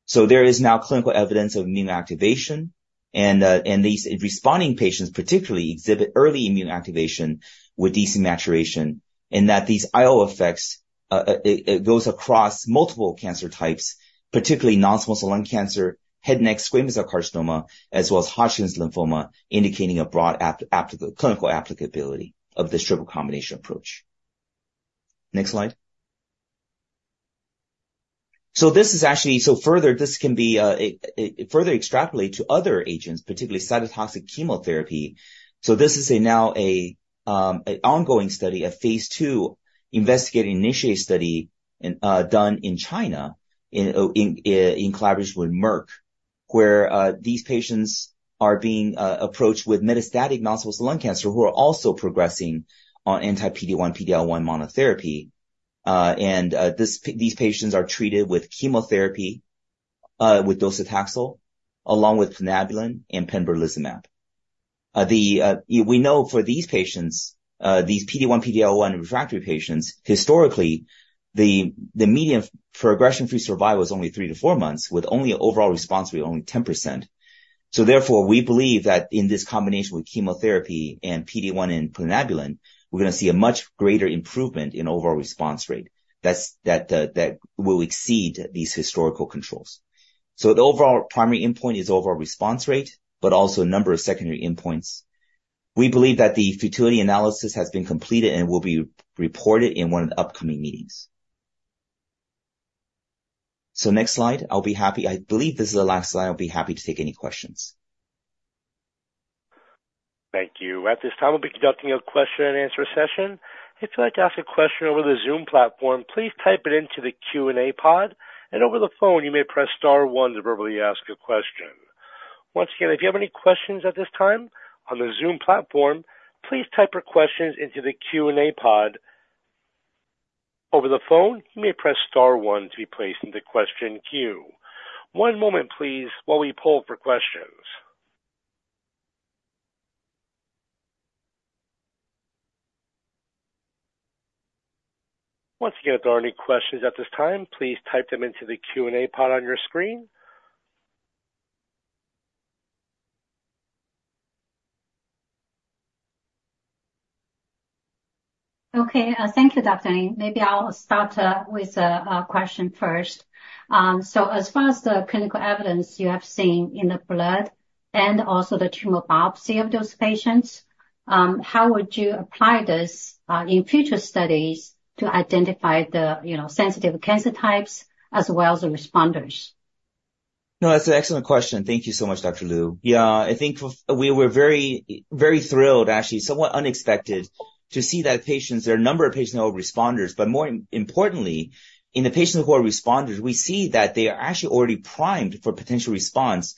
So, there is now clinical evidence of immune activation. And these responding patients, particularly, exhibit early immune activation with DC maturation in that these IO effects, it goes across multiple cancer types, particularly non-small cell lung cancer, head and neck squamous cell carcinoma, as well as Hodgkin's lymphoma, indicating a broad clinical applicability of this triple combination approach. Next slide. So, this is actually so further, this can be further extrapolated to other agents, particularly cytotoxic chemotherapy. So, this is now an ongoing study, a phase 2 investigator-initiated study done in China in collaboration with Merck, where these patients with metastatic non-small cell lung cancer who are also progressing on anti-PD-1, PD-L1 monotherapy. And these patients are treated with chemotherapy with docetaxel along with plinabulin and pembrolizumab. We know for these patients, these PD-1, PD-L1 refractory patients, historically, the median progression-free survival is only 3-4 months with only an overall response rate of only 10%. So, therefore, we believe that in this combination with chemotherapy and PD-1 and plinabulin, we're going to see a much greater improvement in overall response rate that will exceed these historical controls. So, the overall primary endpoint is overall response rate but also a number of secondary endpoints. We believe that the fertility analysis has been completed and will be reported in one of the upcoming meetings. Next slide. I'll be happy, I believe this is the last slide. I'll be happy to take any questions. Thank you. At this time, we'll be conducting a question-and-answer session. If you'd like to ask a question over the Zoom platform, please type it into the Q&A pod. Over the phone, you may press star one to verbally ask a question. Once again, if you have any questions at this time on the Zoom platform, please type your questions into the Q&A pod. Over the phone, you may press star one to be placed into question queue. One moment, please, while we pull for questions. Once again, if there are any questions at this time, please type them into the Q&A pod on your screen. Okay. Thank you, Dr. Lin. Maybe I'll start with a question first. So, as far as the clinical evidence you have seen in the blood and also the tumor biopsy of those patients, how would you apply this in future studies to identify the sensitive cancer types as well as the responders? No, that's an excellent question. Thank you so much, Dr. Lu. Yeah, I think we were very, very thrilled, actually, somewhat unexpected to see that patients there are a number of patients that are responders. But more importantly, in the patients who are responders, we see that they are actually already primed for potential response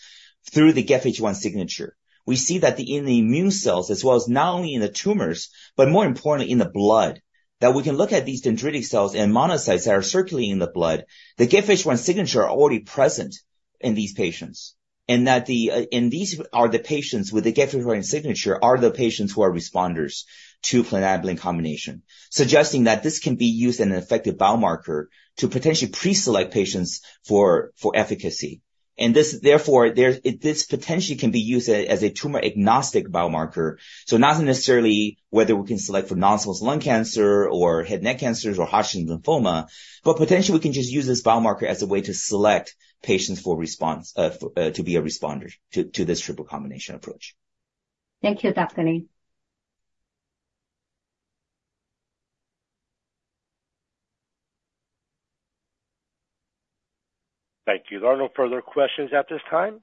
through the GEF-H1 signature. We see that in the immune cells as well as not only in the tumors but more importantly, in the blood, that we can look at these dendritic cells and monocytes that are circulating in the blood, the GEF-H1 signature are already present in these patients. And these are the patients with the GEF-H1 signature are the patients who are responders to plinabulin combination, suggesting that this can be used as an effective biomarker to potentially preselect patients for efficacy. And therefore, this potentially can be used as a tumor-agnostic biomarker. So, not necessarily whether we can select for non-small cell lung cancer or head and neck cancers or Hodgkin's lymphoma, but potentially, we can just use this biomarker as a way to select patients to be a responder to this triple combination approach. Thank you, Dr. Huang. Thank you. There are no further questions at this time.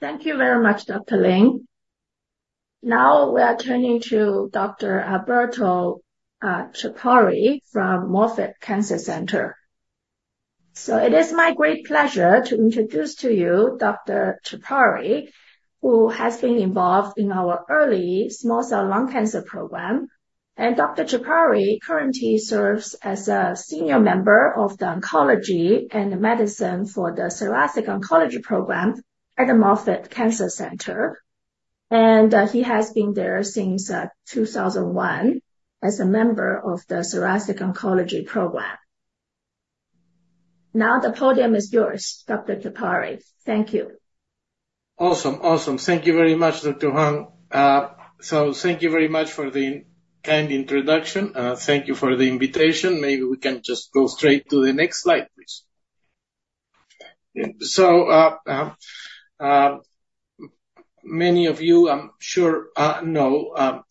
Thank you very much, Dr. Lan. Now, we are turning to Dr. Alberto Chiappori from Moffitt Cancer Center. It is my great pleasure to introduce to you Dr. Chiappori, who has been involved in our early small cell lung cancer program. Dr. Chiappori currently serves as a senior member of the oncology and medicine for the thoracic oncology program at the Moffitt Cancer Center. He has been there since 2001 as a member of the thoracic oncology program. Now, the podium is yours, Dr. Chiappori. Thank you. Awesome. Awesome. Thank you very much, Dr. Huang. So, thank you very much for the kind introduction. Thank you for the invitation. Maybe we can just go straight to the next slide, please. So, many of you, I'm sure, know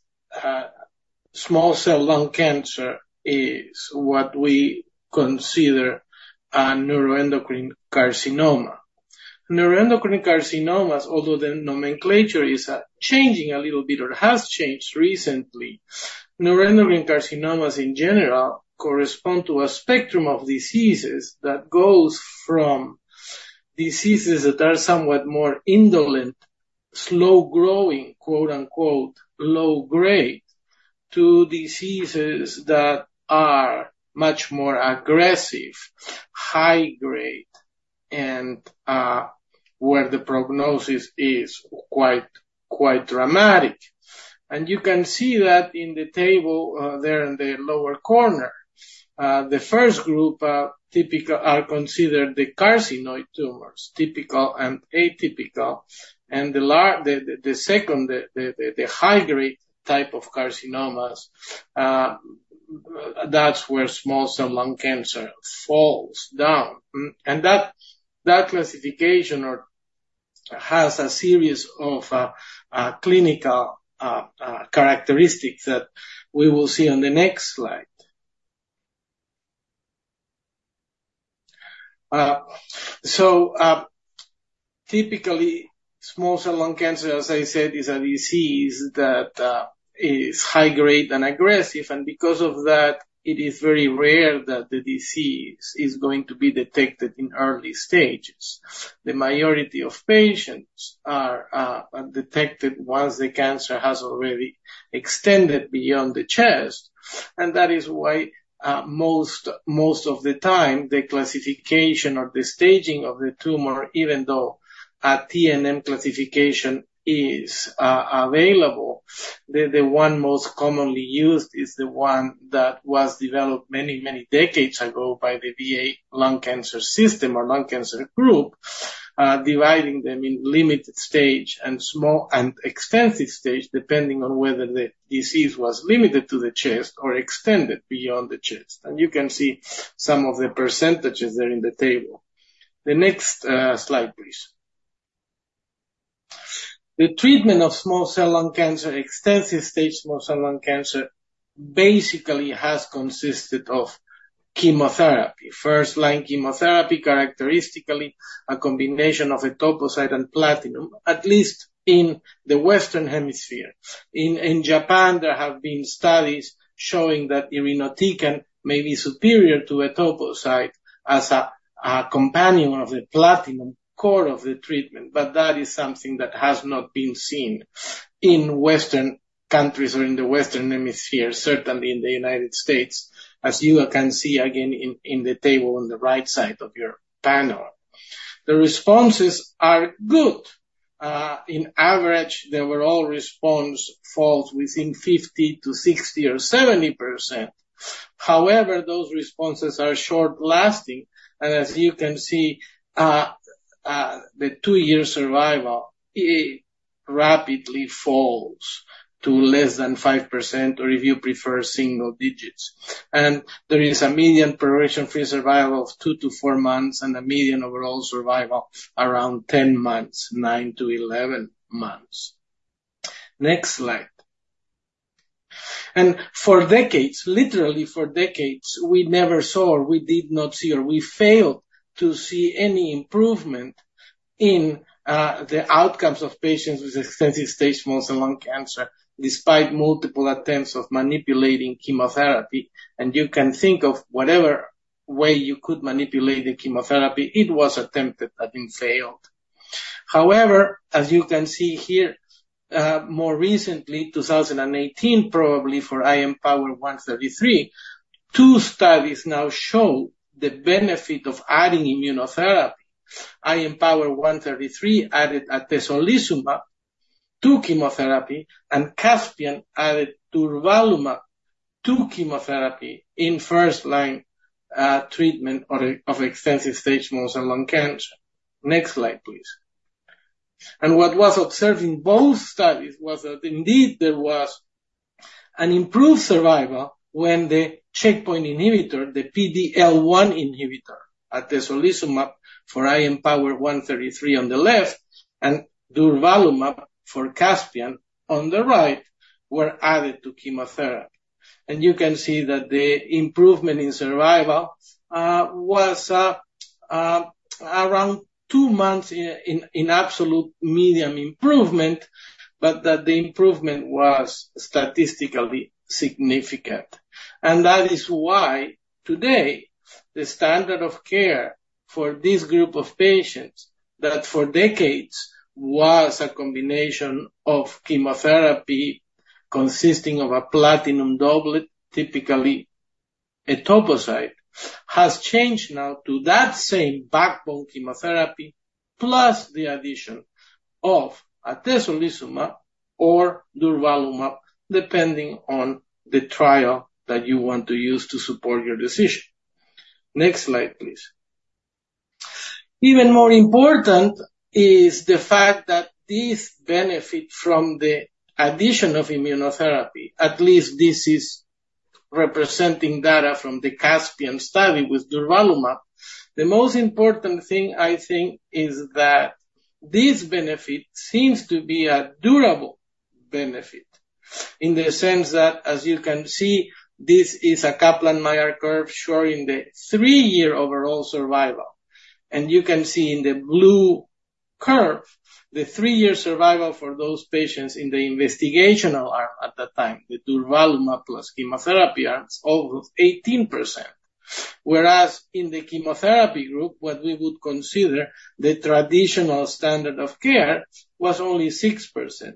small cell lung cancer is what we consider a neuroendocrine carcinoma. Neuroendocrine carcinomas, although the nomenclature is changing a little bit or has changed recently, neuroendocrine carcinomas, in general, correspond to a spectrum of diseases that goes from diseases that are somewhat more indolent, "slow-growing," low-grade, to diseases that are much more aggressive, high-grade, and where the prognosis is quite dramatic. You can see that in the table there in the lower corner. The first group are considered the carcinoid tumors, typical and atypical. The second, the high-grade type of carcinomas, that's where small cell lung cancer falls down. That classification has a series of clinical characteristics that we will see on the next slide. So, typically, small cell lung cancer, as I said, is a disease that is high-grade and aggressive. Because of that, it is very rare that the disease is going to be detected in early stages. The majority of patients are detected once the cancer has already extended beyond the chest. That is why most of the time, the classification or the staging of the tumor, even though a TNM classification is available, the one most commonly used is the one that was developed many, many decades ago by the VA lung cancer system or lung cancer group, dividing them in limited stage and extensive stage, depending on whether the disease was limited to the chest or extended beyond the chest. And you can see some of the percentages there in the table. The next slide, please. The treatment of small cell lung cancer, extensive stage small cell lung cancer, basically has consisted of chemotherapy, first-line chemotherapy, characteristically a combination of etoposide and platinum, at least in the Western Hemisphere. In Japan, there have been studies showing that irinotecan may be superior to etoposide as a companion of the platinum core of the treatment. But that is something that has not been seen in Western countries or in the Western Hemisphere, certainly in the United States, as you can see again in the table on the right side of your panel. The responses are good. On average, the overall response falls within 50%-60% or 70%. However, those responses are short-lasting. As you can see, the two-year survival rapidly falls to less than 5% or, if you prefer, single digits. There is a median progression-free survival of 2-4 months and a median overall survival around 10 months, 9-11 months. Next slide. For decades, literally for decades, we never saw or we did not see or we failed to see any improvement in the outcomes of patients with extensive stage small cell lung cancer despite multiple attempts of manipulating chemotherapy. You can think of whatever way you could manipulate the chemotherapy, it was attempted, but it failed. However, as you can see here, more recently, 2018, probably for IMpower133, two studies now show the benefit of adding immunotherapy. IMpower133 added atezolizumab to chemotherapy and CASPIAN added durvalumab to chemotherapy in first-line treatment of extensive stage small cell lung cancer. Next slide, please. What was observed in both studies was that, indeed, there was an improved survival when the checkpoint inhibitor, the PD-L1 inhibitor, atezolizumab for IMpower133 on the left and durvalumab for CASPIAN on the right were added to chemotherapy. And you can see that the improvement in survival was around two months in absolute median improvement, but that the improvement was statistically significant. And that is why, today, the standard of care for this group of patients that for decades was a combination of chemotherapy consisting of a platinum doublet, typically etoposide, has changed now to that same backbone chemotherapy plus the addition of atezolizumab or durvalumab, depending on the trial that you want to use to support your decision. Next slide, please. Even more important is the fact that this benefit from the addition of immunotherapy, at least this is representing data from the CASPIAN study with durvalumab, the most important thing, I think, is that this benefit seems to be a durable benefit in the sense that, as you can see, this is a Kaplan-Meier curve showing the three-year overall survival. And you can see in the blue curve, the three-year survival for those patients in the investigational arm at the time, the durvalumab plus chemotherapy arms, of 18%. Whereas in the chemotherapy group, what we would consider the traditional standard of care was only 6%.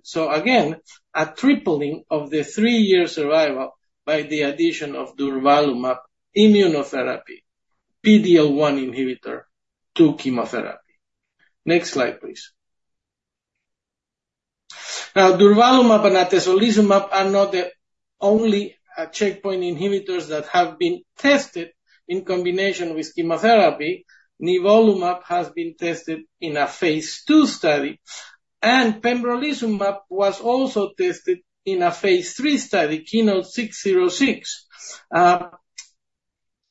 So again, a tripling of the three-year survival by the addition of durvalumab immunotherapy, PD-L1 inhibitor to chemotherapy. Next slide, please. Now, durvalumab and atezolizumab are not the only checkpoint inhibitors that have been tested in combination with chemotherapy. Nivolumab has been tested in a phase II study. pembrolizumab was also tested in a phase III study, KEYNOTE-604.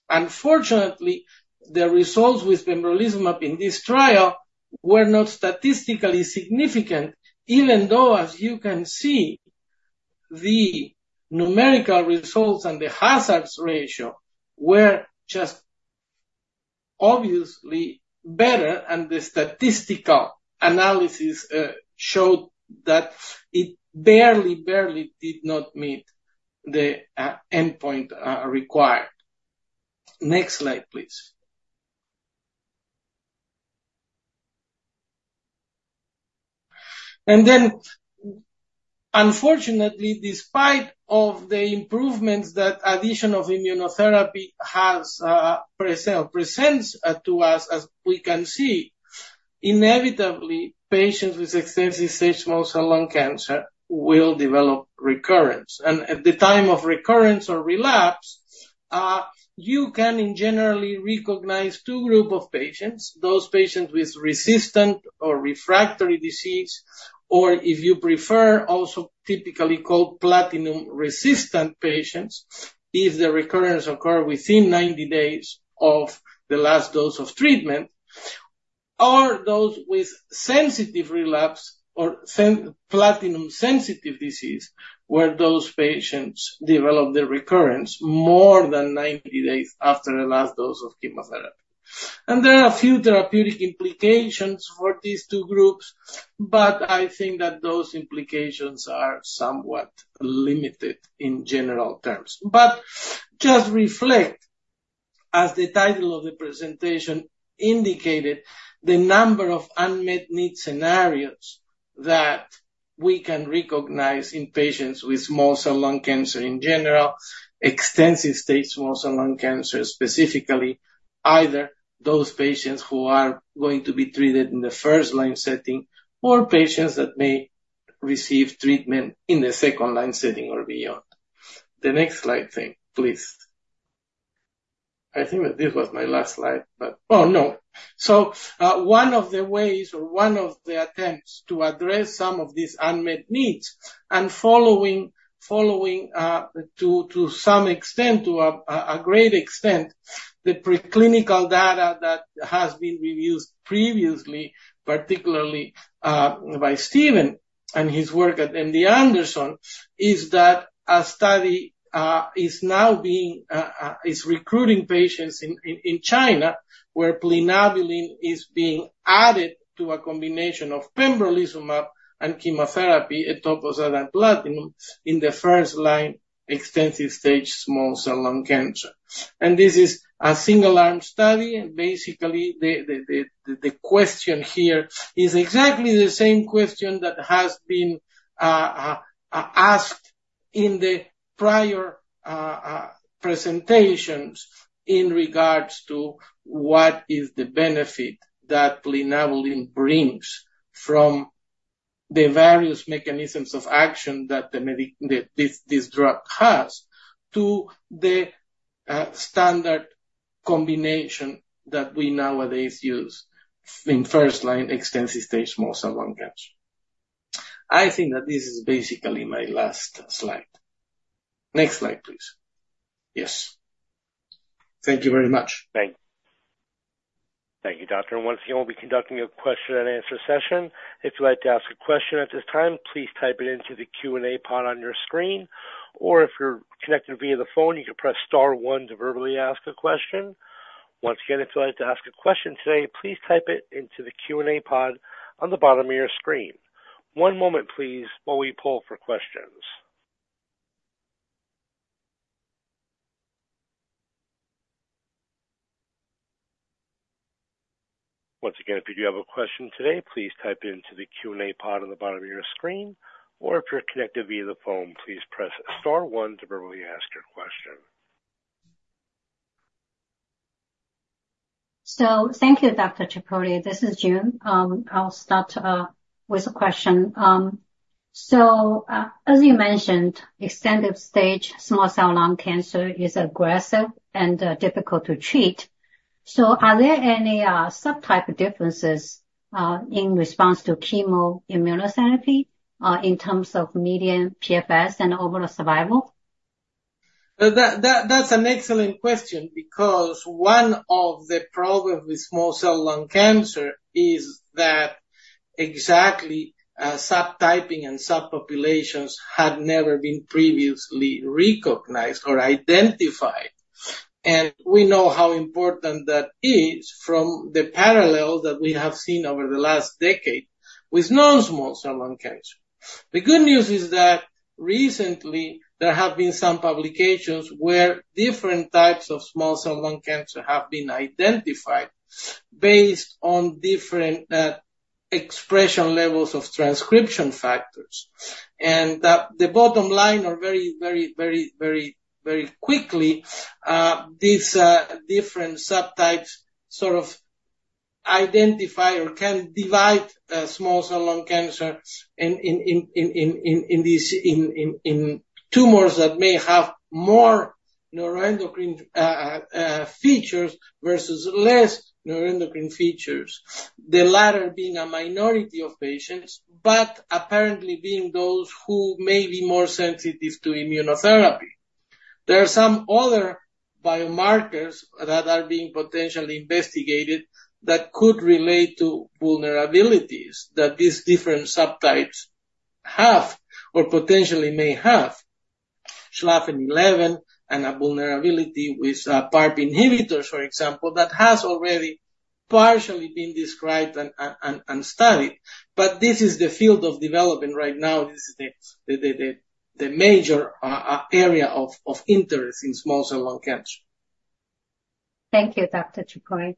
Unfortunately, the results with pembrolizumab in this trial were not statistically significant, even though, as you can see, the numerical results and the hazard ratio were just obviously better. The statistical analysis showed that it barely, barely did not meet the endpoint required. Next slide, please. Unfortunately, despite the improvements that addition of immunotherapy presents to us, as we can see, inevitably, patients with extensive stage small cell lung cancer will develop recurrence. At the time of recurrence or relapse, you can, in general, recognize two groups of patients, those patients with resistant or refractory disease or, if you prefer, also typically called platinum-resistant patients, if the recurrence occurs within 90 days of the last dose of treatment, or those with sensitive relapse or platinum-sensitive disease, where those patients develop the recurrence more than 90 days after the last dose of chemotherapy. There are a few therapeutic implications for these two groups, but I think that those implications are somewhat limited in general terms. But just reflect, as the title of the presentation indicated, the number of unmet needs scenarios that we can recognize in patients with small cell lung cancer in general, extensive stage small cell lung cancer specifically, either those patients who are going to be treated in the first-line setting or patients that may receive treatment in the second-line setting or beyond. The next slide, please. I think that this was my last slide, but oh, no. So one of the ways or one of the attempts to address some of these unmet needs and following, to some extent, to a great extent, the preclinical data that has been reviewed previously, particularly by Steven and his work at MD Anderson, is that a study is now recruiting patients in China where plinabulin is being added to a combination of pembrolizumab and chemotherapy, etoposide and platinum, in the first-line extensive stage small cell lung cancer. This is a single-arm study. Basically, the question here is exactly the same question that has been asked in the prior presentations in regards to what is the benefit that plinabulin brings from the various mechanisms of action that this drug has to the standard combination that we nowadays use in first-line extensive stage small cell lung cancer. I think that this is basically my last slide. Next slide, please. Yes. Thank you very much. Thank you. Thank you, Doctor. And once again, we'll be conducting a question-and-answer session. If you'd like to ask a question at this time, please type it into the Q&A pod on your screen. Or if you're connected via the phone, you can press star one to verbally ask a question. Once again, if you'd like to ask a question today, please type it into the Q&A pod on the bottom of your screen. One moment, please, while we pull for questions. Once again, if you do have a question today, please type it into the Q&A pod on the bottom of your screen. Or if you're connected via the phone, please press star one to verbally ask your question. Thank you, Dr. Chiappori. This is Jun. I'll start with a question. As you mentioned, extensive stage small cell lung cancer is aggressive and difficult to treat. Are there any subtype differences in response to chemoimmunotherapy in terms of median PFS and overall survival? That's an excellent question because one of the problems with small cell lung cancer is that exactly subtyping and subpopulations had never been previously recognized or identified. And we know how important that is from the parallels that we have seen over the last decade with non-small cell lung cancer. The good news is that recently, there have been some publications where different types of small cell lung cancer have been identified based on different expression levels of transcription factors. And the bottom line, or very, very, very, very, very quickly, these different subtypes sort of identify or can divide small cell lung cancer in these tumors that may have more neuroendocrine features versus less neuroendocrine features, the latter being a minority of patients but apparently being those who may be more sensitive to immunotherapy. There are some other biomarkers that are being potentially investigated that could relate to vulnerabilities that these different subtypes have or potentially may have, Schlafen 11 and a vulnerability with PARP inhibitors, for example, that has already partially been described and studied. But this is the field of development right now. This is the major area of interest in small cell lung cancer. Thank you, Doctor Chiappori.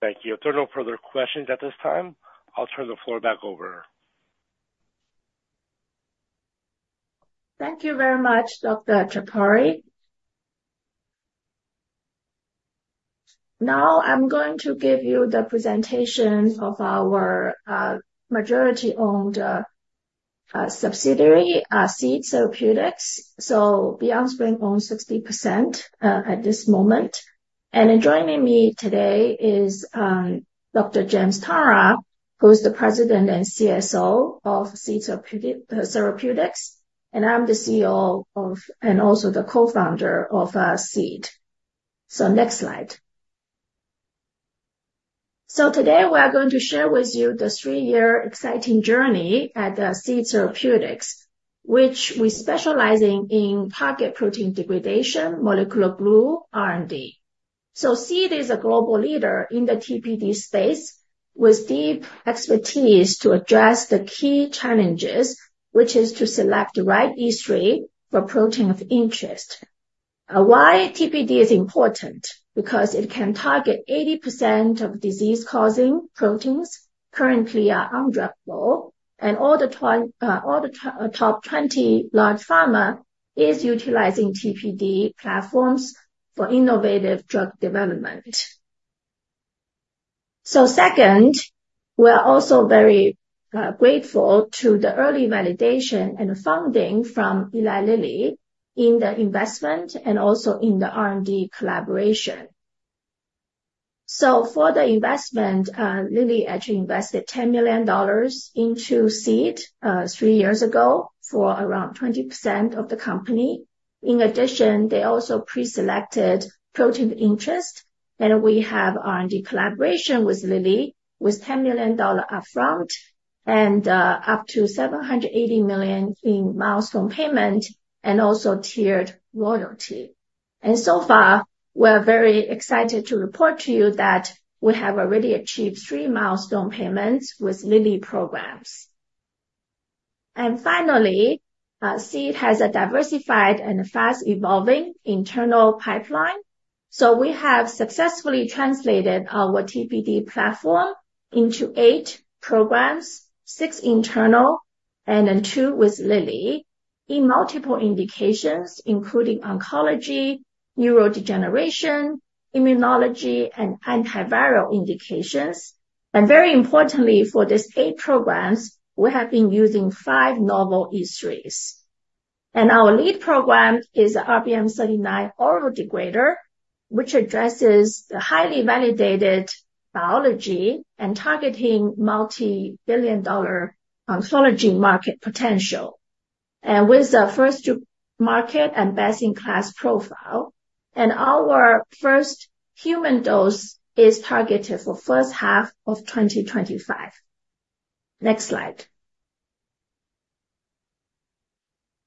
Thank you. If there are no further questions at this time, I'll turn the floor back over. Thank you very much, Dr. Chiappori. Now, I'm going to give you the presentation of our majority-owned subsidiary, SEED Therapeutics. BeyondSpring owns 60% at this moment. Joining me today is Dr. James Tonra, who's the President and CSO of SEED Therapeutics. I'm the CEO and also the co-founder of SEED. Next slide. Today, we are going to share with you the three-year exciting journey at SEED Therapeutics, which we specialize in target protein degradation, molecular glue, R&D. SEED is a global leader in the TPD space with deep expertise to address the key challenges, which is to select the right E3 for protein of interest. Why TPD is important? Because it can target 80% of disease-causing proteins currently are undruggable. All the top 20 large pharma are utilizing TPD platforms for innovative drug development. So second, we are also very grateful to the early validation and funding from Eli Lilly in the investment and also in the R&D collaboration. So for the investment, Lilly actually invested $10 million into SEED three years ago for around 20% of the company. In addition, they also preselected protein of interest. And we have R&D collaboration with Lilly with $10 million upfront and up to $780 million in milestone payment and also tiered royalty. And so far, we are very excited to report to you that we have already achieved three milestone payments with Lilly programs. And finally, SEED has a diversified and fast-evolving internal pipeline. So we have successfully translated our TPD platform into eight programs, six internal and two with Lilly in multiple indications, including oncology, neurodegeneration, immunology, and antiviral indications. And very importantly, for these eight programs, we have been using five novel E3s. Our lead program is the RBM39 oral degrader, which addresses the highly validated biology and targeting multibillion-dollar oncology market potential with the first-to-market and best-in-class profile. Our first human dose is targeted for the first half of 2025. Next slide.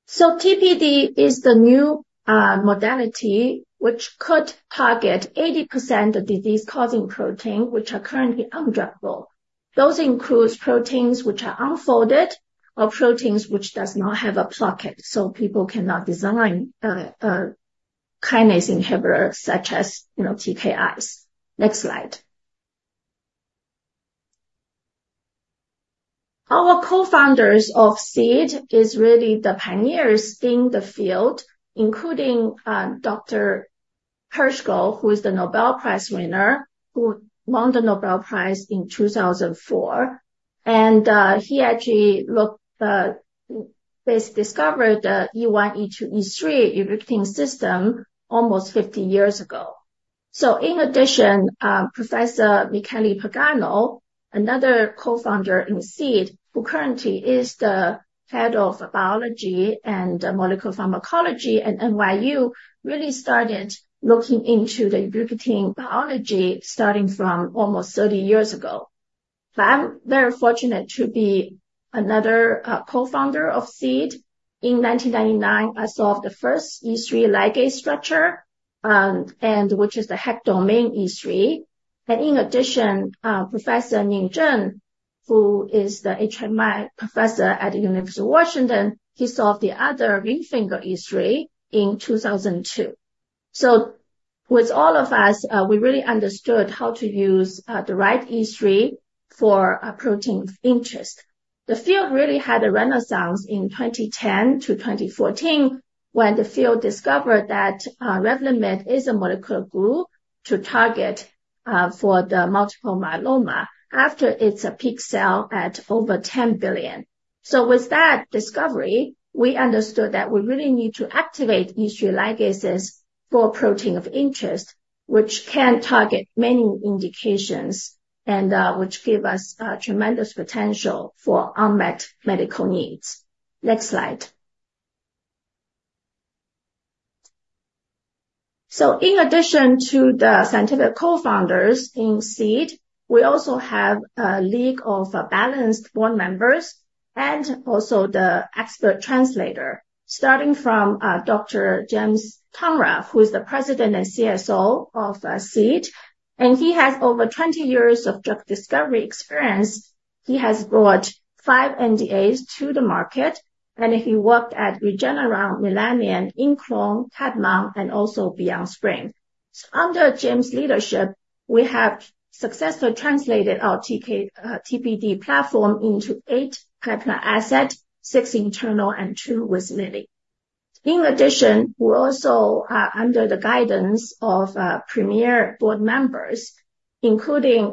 TPD is the new modality which could target 80% of disease-causing proteins, which are currently undruggable. Those include proteins which are unfolded or proteins which do not have a pocket, so people cannot design kinase inhibitors such as TKIs. Next slide. Our co-founders of SEED are really the pioneers in the field, including Dr. Hershko, who is the Nobel Prize winner, who won the Nobel Prize in 2004. He actually discovered the E1, E2, E3 ubiquitin system almost 50 years ago. So in addition, Professor Michele Pagano, another co-founder in SEED, who currently is the head of biology and molecular pharmacology at NYU, really started looking into the ubiquitin biology starting from almost 30 years ago. But I'm very fortunate to be another co-founder of SEED. In 1999, I saw the first E3 ligase structure, which is the HECT domain E3. And in addition, Professor Ning Zheng, who is the HHMI professor at the University of Washington, he saw the other RING finger E3 in 2002. So with all of us, we really understood how to use the right E3 for protein of interest. The field really had a renaissance in 2010 to 2014 when the field discovered that Revlimid is a molecular glue to target for the multiple myeloma after its peak sales at over $10 billion. So with that discovery, we understood that we really need to activate E3 ligases for protein of interest, which can target many indications and which give us tremendous potential for unmet medical needs. Next slide. So in addition to the scientific co-founders in SEED, we also have a league of balanced board members and also the expert translator, starting from Doctor James Tonra, who is the President and CSO of SEED. And he has over 20 years of drug discovery experience. He has brought 5 NDAs to the market. And he worked at Regeneron, Millennium, ImClone, Kadmon, and also BeyondSpring. So under James' leadership, we have successfully translated our TPD platform into 8 pipeline assets, 6 internal, and 2 with Lilly. In addition, we're also under the guidance of premier board members, including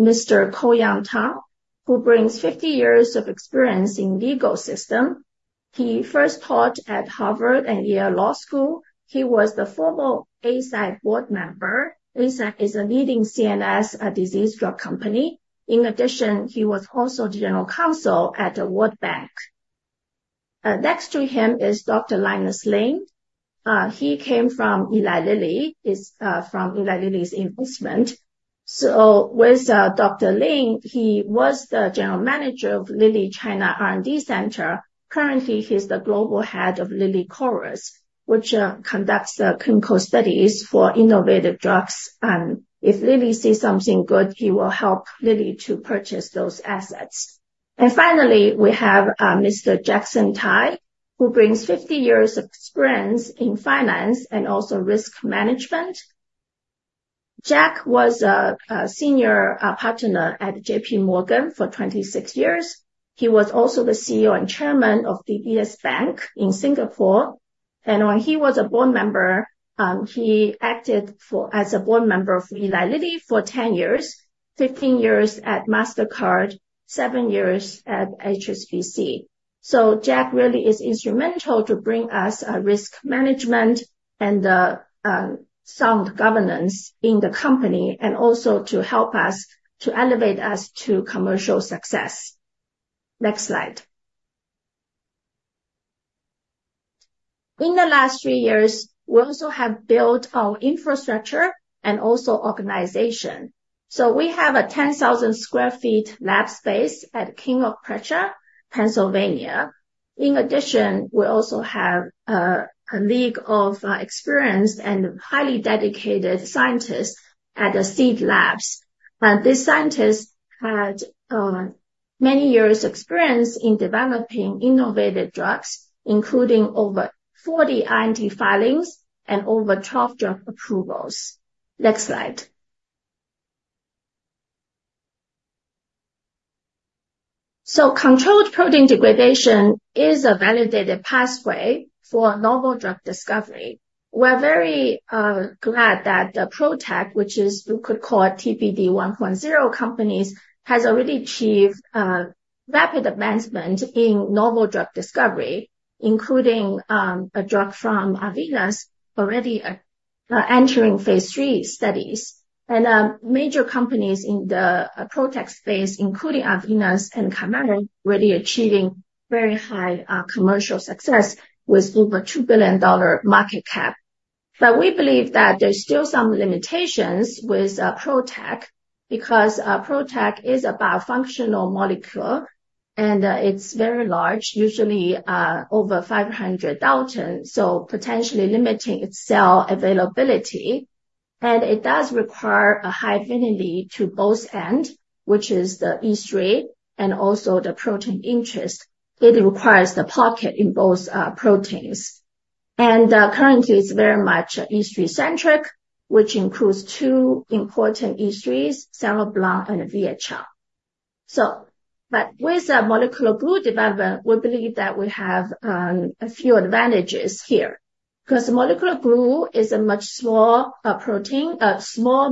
Mr. Ko-Yang Tao, who brings 50 years of experience in the legal system. He first taught at Harvard and Yale Law School. He was the former Eisai board member. Eisai is a leading CNS disease drug company. In addition, he was also general counsel at the World Bank. Next to him is Doctor Linus Lin. He came from Eli Lilly, from Eli Lilly's investment. So with Doctor Lin, he was the general manager of Lilly China R&D Center. Currently, he's the global head of Lilly Chorus, which conducts clinical studies for innovative drugs. And if Lilly sees something good, he will help Lilly to purchase those assets. And finally, we have Mr. Jackson Tai, who brings 50 years of experience in finance and also risk management. Jack was a senior partner at J.P. Morgan for 26 years. He was also the CEO and chairman of DBS Bank in Singapore. When he was a board member, he acted as a board member for Eli Lilly for 10 years, 15 years at Mastercard, 7 years at HSBC. Jack really is instrumental to bring us risk management and sound governance in the company and also to help us to elevate us to commercial success. Next slide. In the last three years, we also have built our infrastructure and also organization. We have a 10,000 sq ft lab space at King of Prussia, Pennsylvania. In addition, we also have a league of experienced and highly dedicated scientists at SEED Labs. These scientists had many years' experience in developing innovative drugs, including over 40 IND filings and over 12 drug approvals. Next slide. Controlled protein degradation is a validated pathway for novel drug discovery. We're very glad that the PROTAC, which is what you could call TPD 1.0 companies, has already achieved rapid advancement in novel drug discovery, including a drug from Arvinas already entering phase 3 studies. Major companies in the PROTAC space, including Arvinas and Kymera, are already achieving very high commercial success with over $2 billion market cap. But we believe that there's still some limitations with PROTAC because PROTAC is a bifunctional molecule, and it's very large, usually over 500,000, so potentially limiting its cell availability. And it does require a high affinity to both ends, which is the E3 and also the protein of interest. It requires the pocket in both proteins. And currently, it's very much E3-centric, which includes two important E3s, Cereblon and VHL. But with molecular glue development, we believe that we have a few advantages here because molecular glue is a much smaller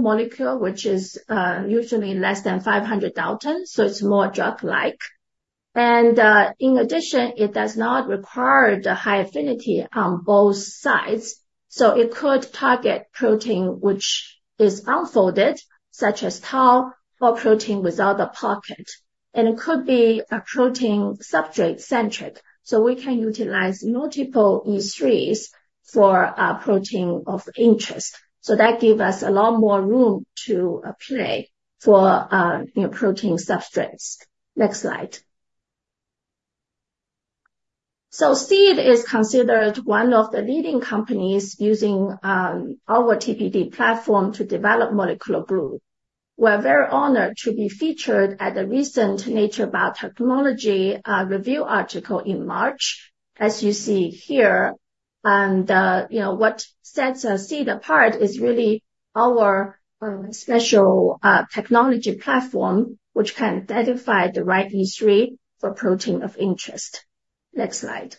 molecule, which is usually less than 500,000, so it's more drug-like. And in addition, it does not require the high affinity on both sides. So it could target protein which is unfolded, such as Tau, or protein without a pocket. And it could be a protein substrate-centric. So we can utilize multiple E3s for protein of interest. So that gives us a lot more room to play for protein substrates. Next slide. So SEED is considered one of the leading companies using our TPD platform to develop molecular glue. We're very honored to be featured at a recent Nature Biotechnology review article in March, as you see here. And what sets SEED apart is really our special technology platform, which can identify the right E3 for protein of interest. Next slide.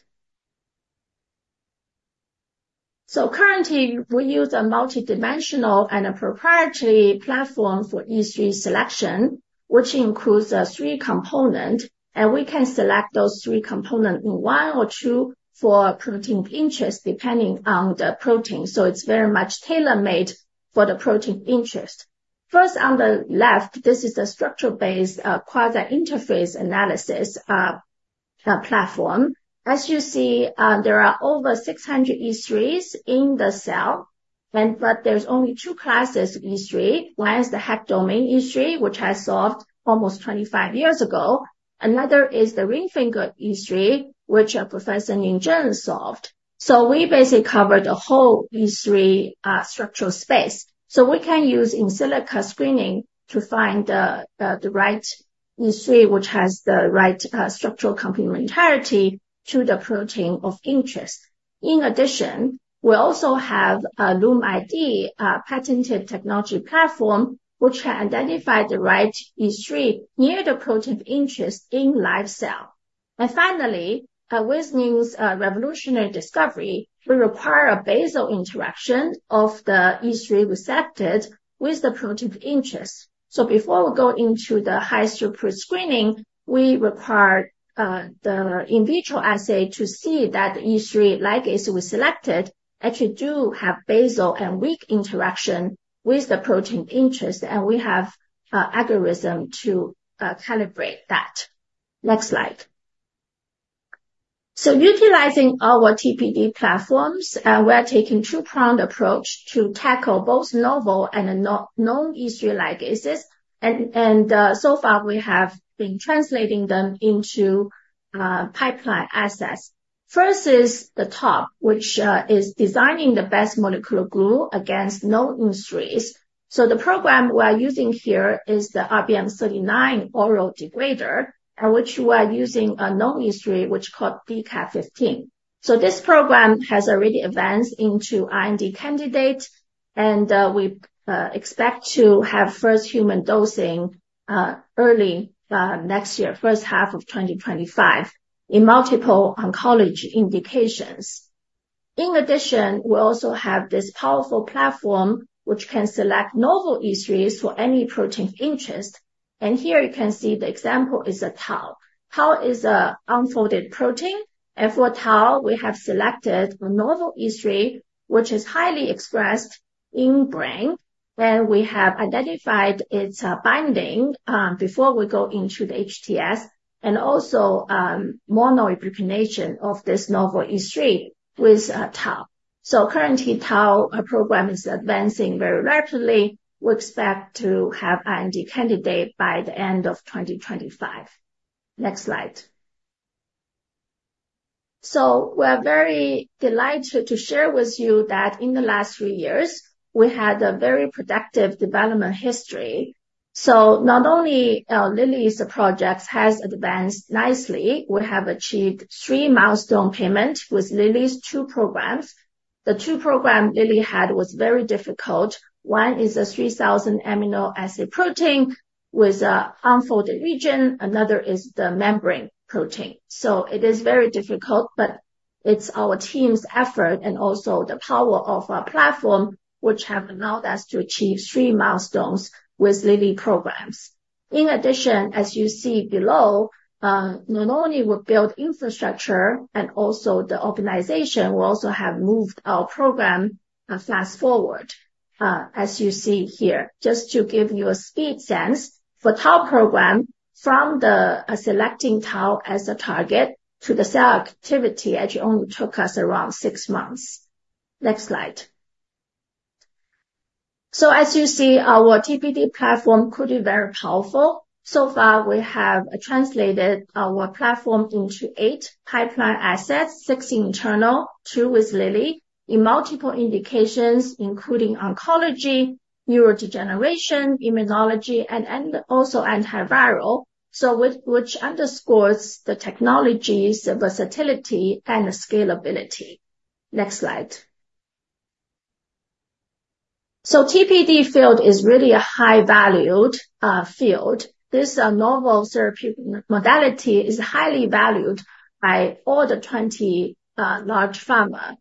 Currently, we use a multidimensional and a proprietary platform for E3 selection, which includes three components. We can select those three components in one or two for protein of interest, depending on the protein. It's very much tailor-made for the protein of interest. First, on the left, this is a structure-based quasi-interface analysis platform. As you see, there are over 600 E3s in the cell. There's only two classes of E3. One is the HECT domain E3, which I solved almost 25 years ago. Another is the RING finger E3, which Professor Ning Zheng solved. We basically covered the whole E3 structural space. We can use in silico screening to find the right E3, which has the right structural complementarity to the protein of interest. In addition, we also have a Lumid patented technology platform, which can identify the right E3 near the protein of interest in live cell. And finally, with Ning's revolutionary discovery, we require a basal interaction of the E3 receptor with the protein of interest. So before we go into the high-throughput screening, we require the in vitro assay to see that the E3 ligase we selected actually do have basal and weak interaction with the protein of interest. And we have an algorithm to calibrate that. Next slide. So utilizing our TPD platforms, we are taking a two-pronged approach to tackle both novel and known E3 ligases. And so far, we have been translating them into pipeline assets. First is the Tau, which is designing the best molecular glue against known E3s. So the program we are using here is the RBM39 oral degrader, which we are using, a known E3, which is called DCAF15. So this program has already advanced into IND candidate. And we expect to have first human dosing early next year, first half of 2025, in multiple oncology indications. In addition, we also have this powerful platform, which can select novel E3s for any protein of interest. And here you can see the example is a Tau. Tau is an unfolded protein. And for Tau, we have selected a novel E3, which is highly expressed in the brain. And we have identified its binding before we go into the HTS and also mono-ubiquitination of this novel E3 with Tau. So currently, Tau program is advancing very rapidly. We expect to have IND candidate by the end of 2025. Next slide. So we're very delighted to share with you that in the last three years, we had a very productive development history. So not only Lilly's project has advanced nicely, we have achieved three milestone payments with Lilly's two programs. The two programs Lilly had were very difficult. One is a 3,000-amino acid protein with an unfolded region. Another is the membrane protein. So it is very difficult, but it's our team's effort and also the power of our platform, which have allowed us to achieve three milestones with Lilly programs. In addition, as you see below, not only we built infrastructure and also the organization, we also have moved our program fast forward, as you see here, just to give you a speed sense. For the Tau program, from selecting Tau as a target to the cell activity, it only took us around six months. Next slide. So as you see, our TPD platform could be very powerful. So far, we have translated our platform into eight pipeline assets, six internal, two with Lilly, in multiple indications, including oncology, neurodegeneration, immunology, and also antiviral, which underscores the technology's versatility and scalability. Next slide. So the TPD field is really a high-valued field. This novel therapeutic modality is highly valued by all the 20 large pharma.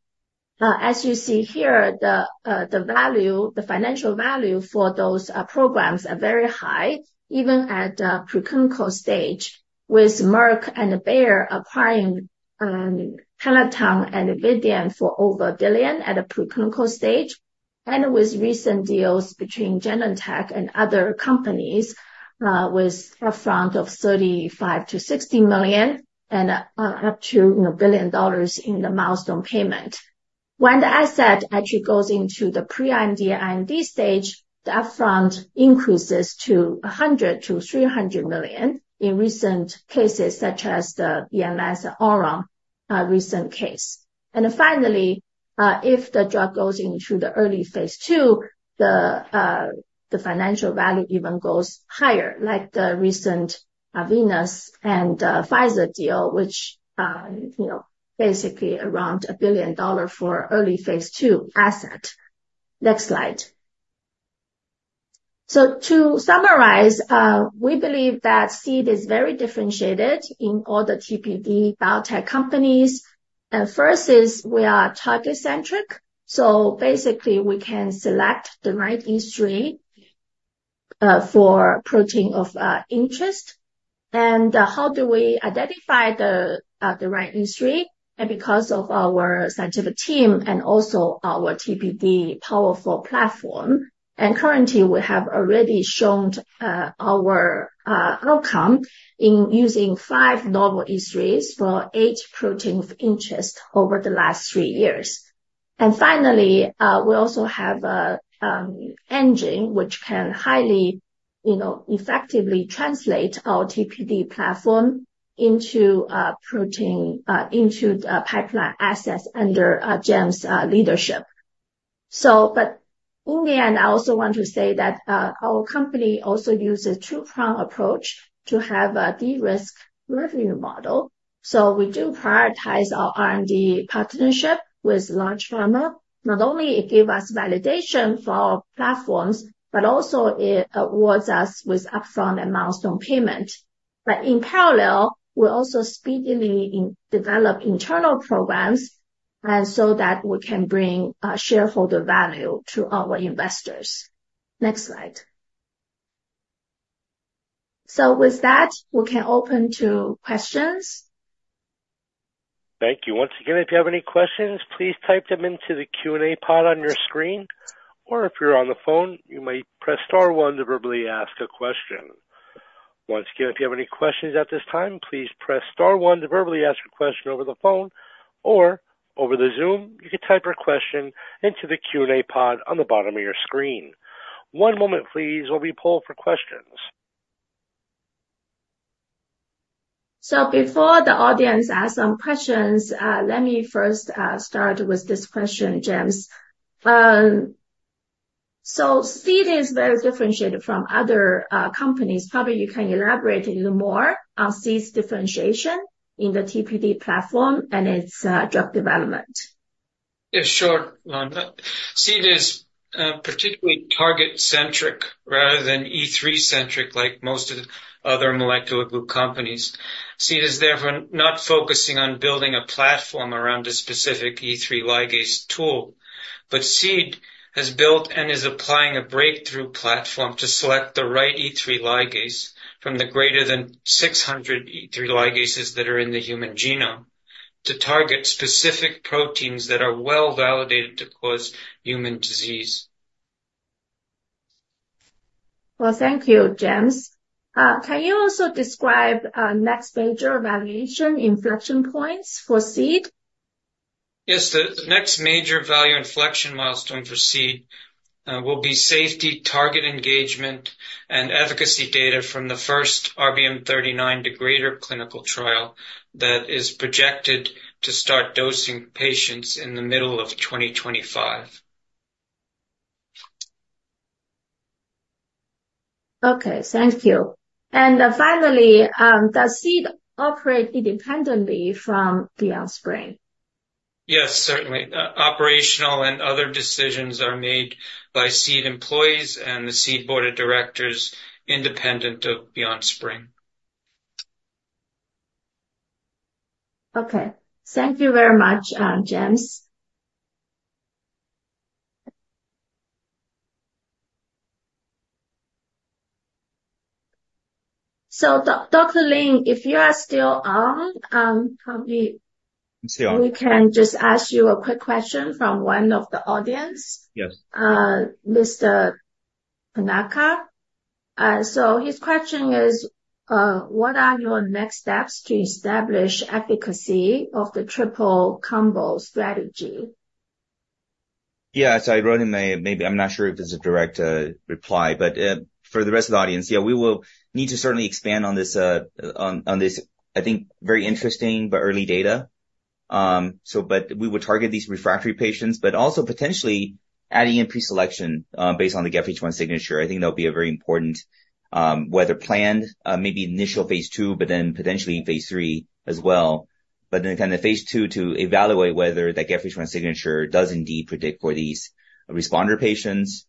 As you see here, the financial value for those programs is very high, even at the preclinical stage, with Merck and Bayer acquiring Peloton and Vividion for over $1 billion at the preclinical stage and with recent deals between Genentech and other companies with upfront of $35-$60 million and up to $1 billion in the milestone payment. When the asset actually goes into the pre-IND/IND stage, the upfront increases to $100-$300 million in recent cases, such as the BMS-Orum recent case. Finally, if the drug goes into the early phase 2, the financial value even goes higher, like the recent Arvinas and Pfizer deal, which is basically around $1 billion for early phase 2 asset. Next slide. So to summarize, we believe that SEED is very differentiated in all the TPD biotech companies. First is we are target-centric. So basically, we can select the right E3 for protein of interest. And how do we identify the right E3? And because of our scientific team and also our TPD powerful platform, and currently, we have already shown our outcome in using 5 novel E3s for 8 proteins of interest over the last 3 years. Finally, we also have an engine which can highly effectively translate our TPD platform into the pipeline assets under James's leadership. In the end, I also want to say that our company also uses a two-pronged approach to have a de-risk revenue model. We do prioritize our R&D partnership with large pharma. Not only does it give us validation for our platforms, but also it awards us with upfront and milestone payment. In parallel, we also speedily develop internal programs so that we can bring shareholder value to our investors. Next slide. With that, we can open to questions. Thank you. Once again, if you have any questions, please type them into the Q&A pod on your screen. Or if you're on the phone, you may press star one to verbally ask a question. Once again, if you have any questions at this time, please press star one to verbally ask your question over the phone. Or over the Zoom, you can type your question into the Q&A pod on the bottom of your screen. One moment, please. We'll be pulling for questions. Before the audience asks some questions, let me first start with this question, James. SEED is very differentiated from other companies. Probably you can elaborate a little more on SEED's differentiation in the TPD platform and its drug development. Yes, sure. SEED is particularly target-centric rather than E3-centric like most of the other molecular glue companies. SEED is therefore not focusing on building a platform around a specific E3 ligase tool. But SEED has built and is applying a breakthrough platform to select the right E3 ligase from the greater than 600 E3 ligases that are in the human genome to target specific proteins that are well validated to cause human disease. Well, thank you, James. Can you also describe the next major evaluation inflection points for SEED? Yes. The next major value inflection milestone for SEED will be safety, target engagement, and efficacy data from the first RBM39 degrader clinical trial that is projected to start dosing patients in the middle of 2025. Okay. Thank you. And finally, does SEED operate independently from BeyondSpring? Yes, certainly. Operational and other decisions are made by SEED employees and the SEED board of directors independent of BeyondSpring. Okay. Thank you very much, James. So Dr. Lin, if you are still on, probably. I'm still on. We can just ask you a quick question from one of the audience. Yes. Mr. Panaka. His question is, what are your next steps to establish efficacy of the triple-combo strategy? Yes. I wrote in my—maybe I'm not sure if it's a direct reply. But for the rest of the audience, yeah, we will need to certainly expand on this, I think, very interesting but early data. But we would target these refractory patients, but also potentially adding in preselection based on the GEF-H1 signature. I think that'll be a very important whether planned, maybe initial phase two, but then potentially phase three as well. But then kind of phase two to evaluate whether that GEF-H1 signature does indeed predict for these responder patients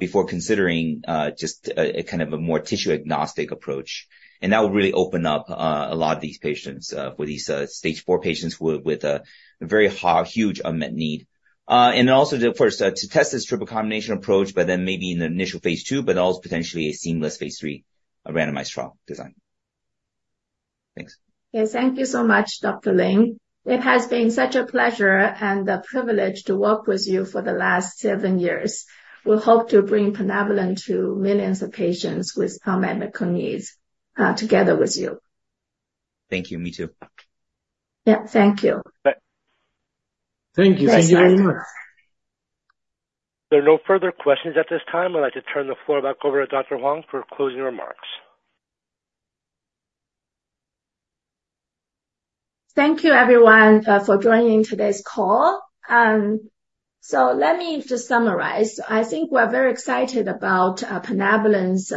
before considering just kind of a more tissue-agnostic approach. And that will really open up a lot of these patients with these stage four patients with a very huge unmet need. And then also, of course, to test this triple combination approach, but then maybe in the initial phase 2, but also potentially a seamless phase 3 randomized trial design. Thanks. Yes. Thank you so much, Dr. Lin. It has been such a pleasure and a privilege to work with you for the last seven years. We hope to bring plinabulin to millions of patients with comorbid needs together with you. Thank you. Me too. Yeah. Thank you. Thank you. Thank you very much. There are no further questions at this time. I'd like to turn the floor back over to Dr. Huang for closing remarks. Thank you, everyone, for joining today's call. So let me just summarize. I think we're very excited about plinabulin's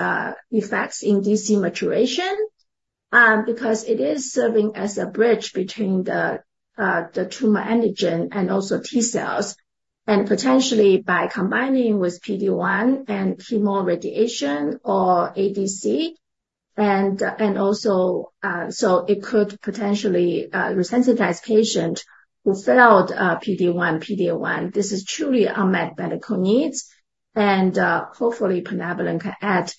effects in DC maturation because it is serving as a bridge between the tumor antigen and also T cells. And potentially, by combining with PD-1 and chemoradiation or ADC, and also so it could potentially resensitize patients who failed PD-1, PD-1. This is truly unmet medical needs. And hopefully, plinabulin can add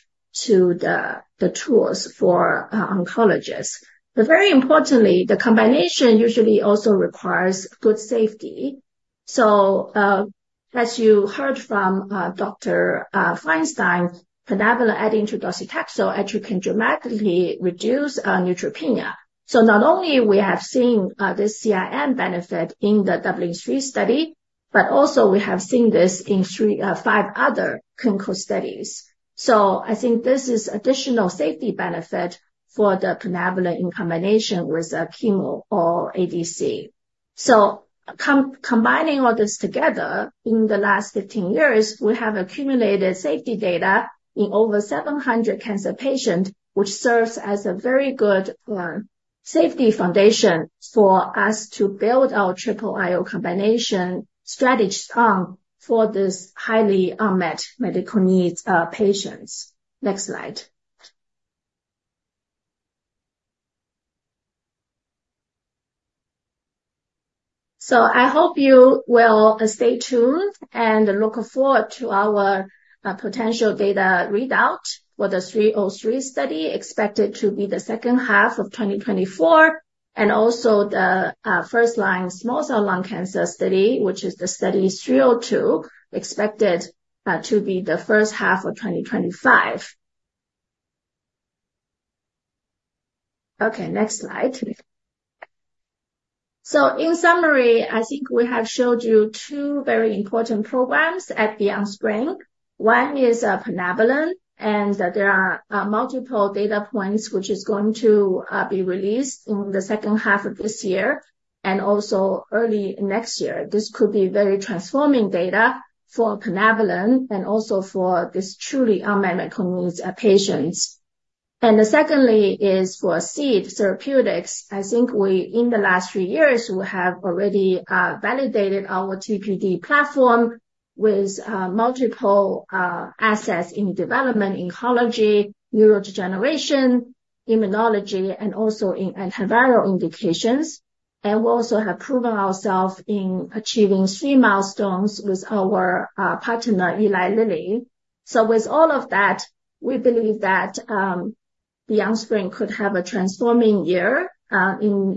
to the tools for oncologists. But very importantly, the combination usually also requires good safety. So as you heard from Dr. Feinstein, plinabulin adding to docetaxel actually can dramatically reduce neutropenia. So not only have we seen this CIN benefit in the Phase 3 study, but also we have seen this in five other clinical studies. So I think this is an additional safety benefit for the plinabulin in combination with chemo or ADC. So combining all this together, in the last 15 years, we have accumulated safety data in over 700 cancer patients, which serves as a very good safety foundation for us to build our triple IO combination strategy strong for these highly unmet medical needs patients. Next slide. So I hope you will stay tuned and look forward to our potential data readout for the 303 study, expected to be the second half of 2024, and also the first-line small cell lung cancer study, which is the study 302, expected to be the first half of 2025. Okay. Next slide. So in summary, I think we have showed you two very important programs at BeyondSpring. One is plinabulin, and there are multiple data points which are going to be released in the second half of this year and also early next year. This could be very transforming data for plinabulin and also for these truly unmet medical needs patients. Secondly is for SEED Therapeutics. I think in the last 3 years, we have already validated our TPD platform with multiple assets in development, oncology, neurodegeneration, immunology, and also in antiviral indications. And we also have proven ourselves in achieving 3 milestones with our partner, Eli Lilly. So with all of that, we believe that BeyondSpring could have a transforming year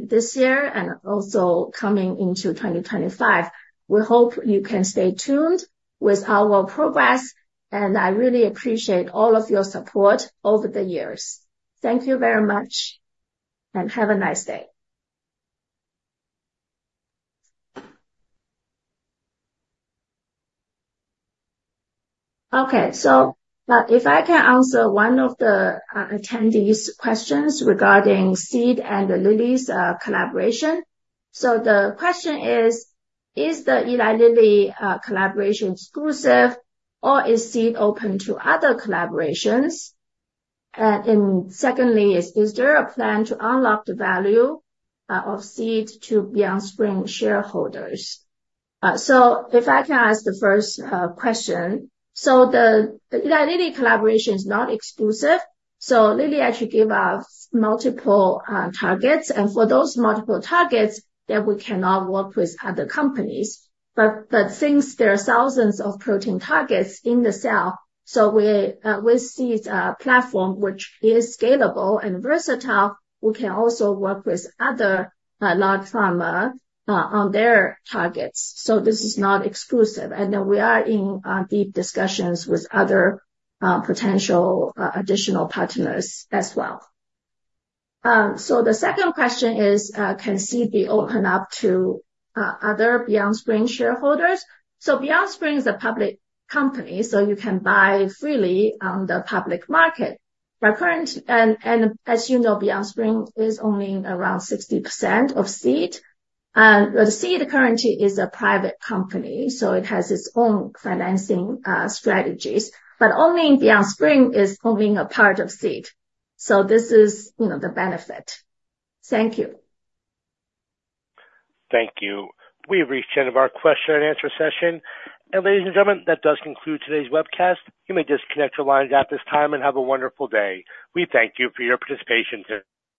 this year and also coming into 2025. We hope you can stay tuned with our progress. And I really appreciate all of your support over the years. Thank you very much, and have a nice day. Okay. So if I can answer one of the attendees' questions regarding SEED and Lilly's collaboration. So the question is, is the Eli Lilly collaboration exclusive, or is SEED open to other collaborations? And secondly, is there a plan to unlock the value of SEED to BeyondSpring shareholders? So if I can ask the first question. So the Eli Lilly collaboration is not exclusive. So Lilly actually gave us multiple targets. And for those multiple targets, then we cannot work with other companies. But since there are thousands of protein targets in the cell, so with SEED's platform, which is scalable and versatile, we can also work with other large pharma on their targets. So this is not exclusive. And then we are in deep discussions with other potential additional partners as well. So the second question is, can SEED be opened up to other BeyondSpring shareholders? So BeyondSpring is a public company, so you can buy freely on the public market. And as you know, BeyondSpring is owning around 60% of SEED. SEED currently is a private company, so it has its own financing strategies. Owning BeyondSpring is owning a part of SEED. This is the benefit. Thank you. Thank you. We've reached the end of our question-and-answer session. Ladies and gentlemen, that does conclude today's webcast. You may disconnect your lines at this time and have a wonderful day. We thank you for your participation today.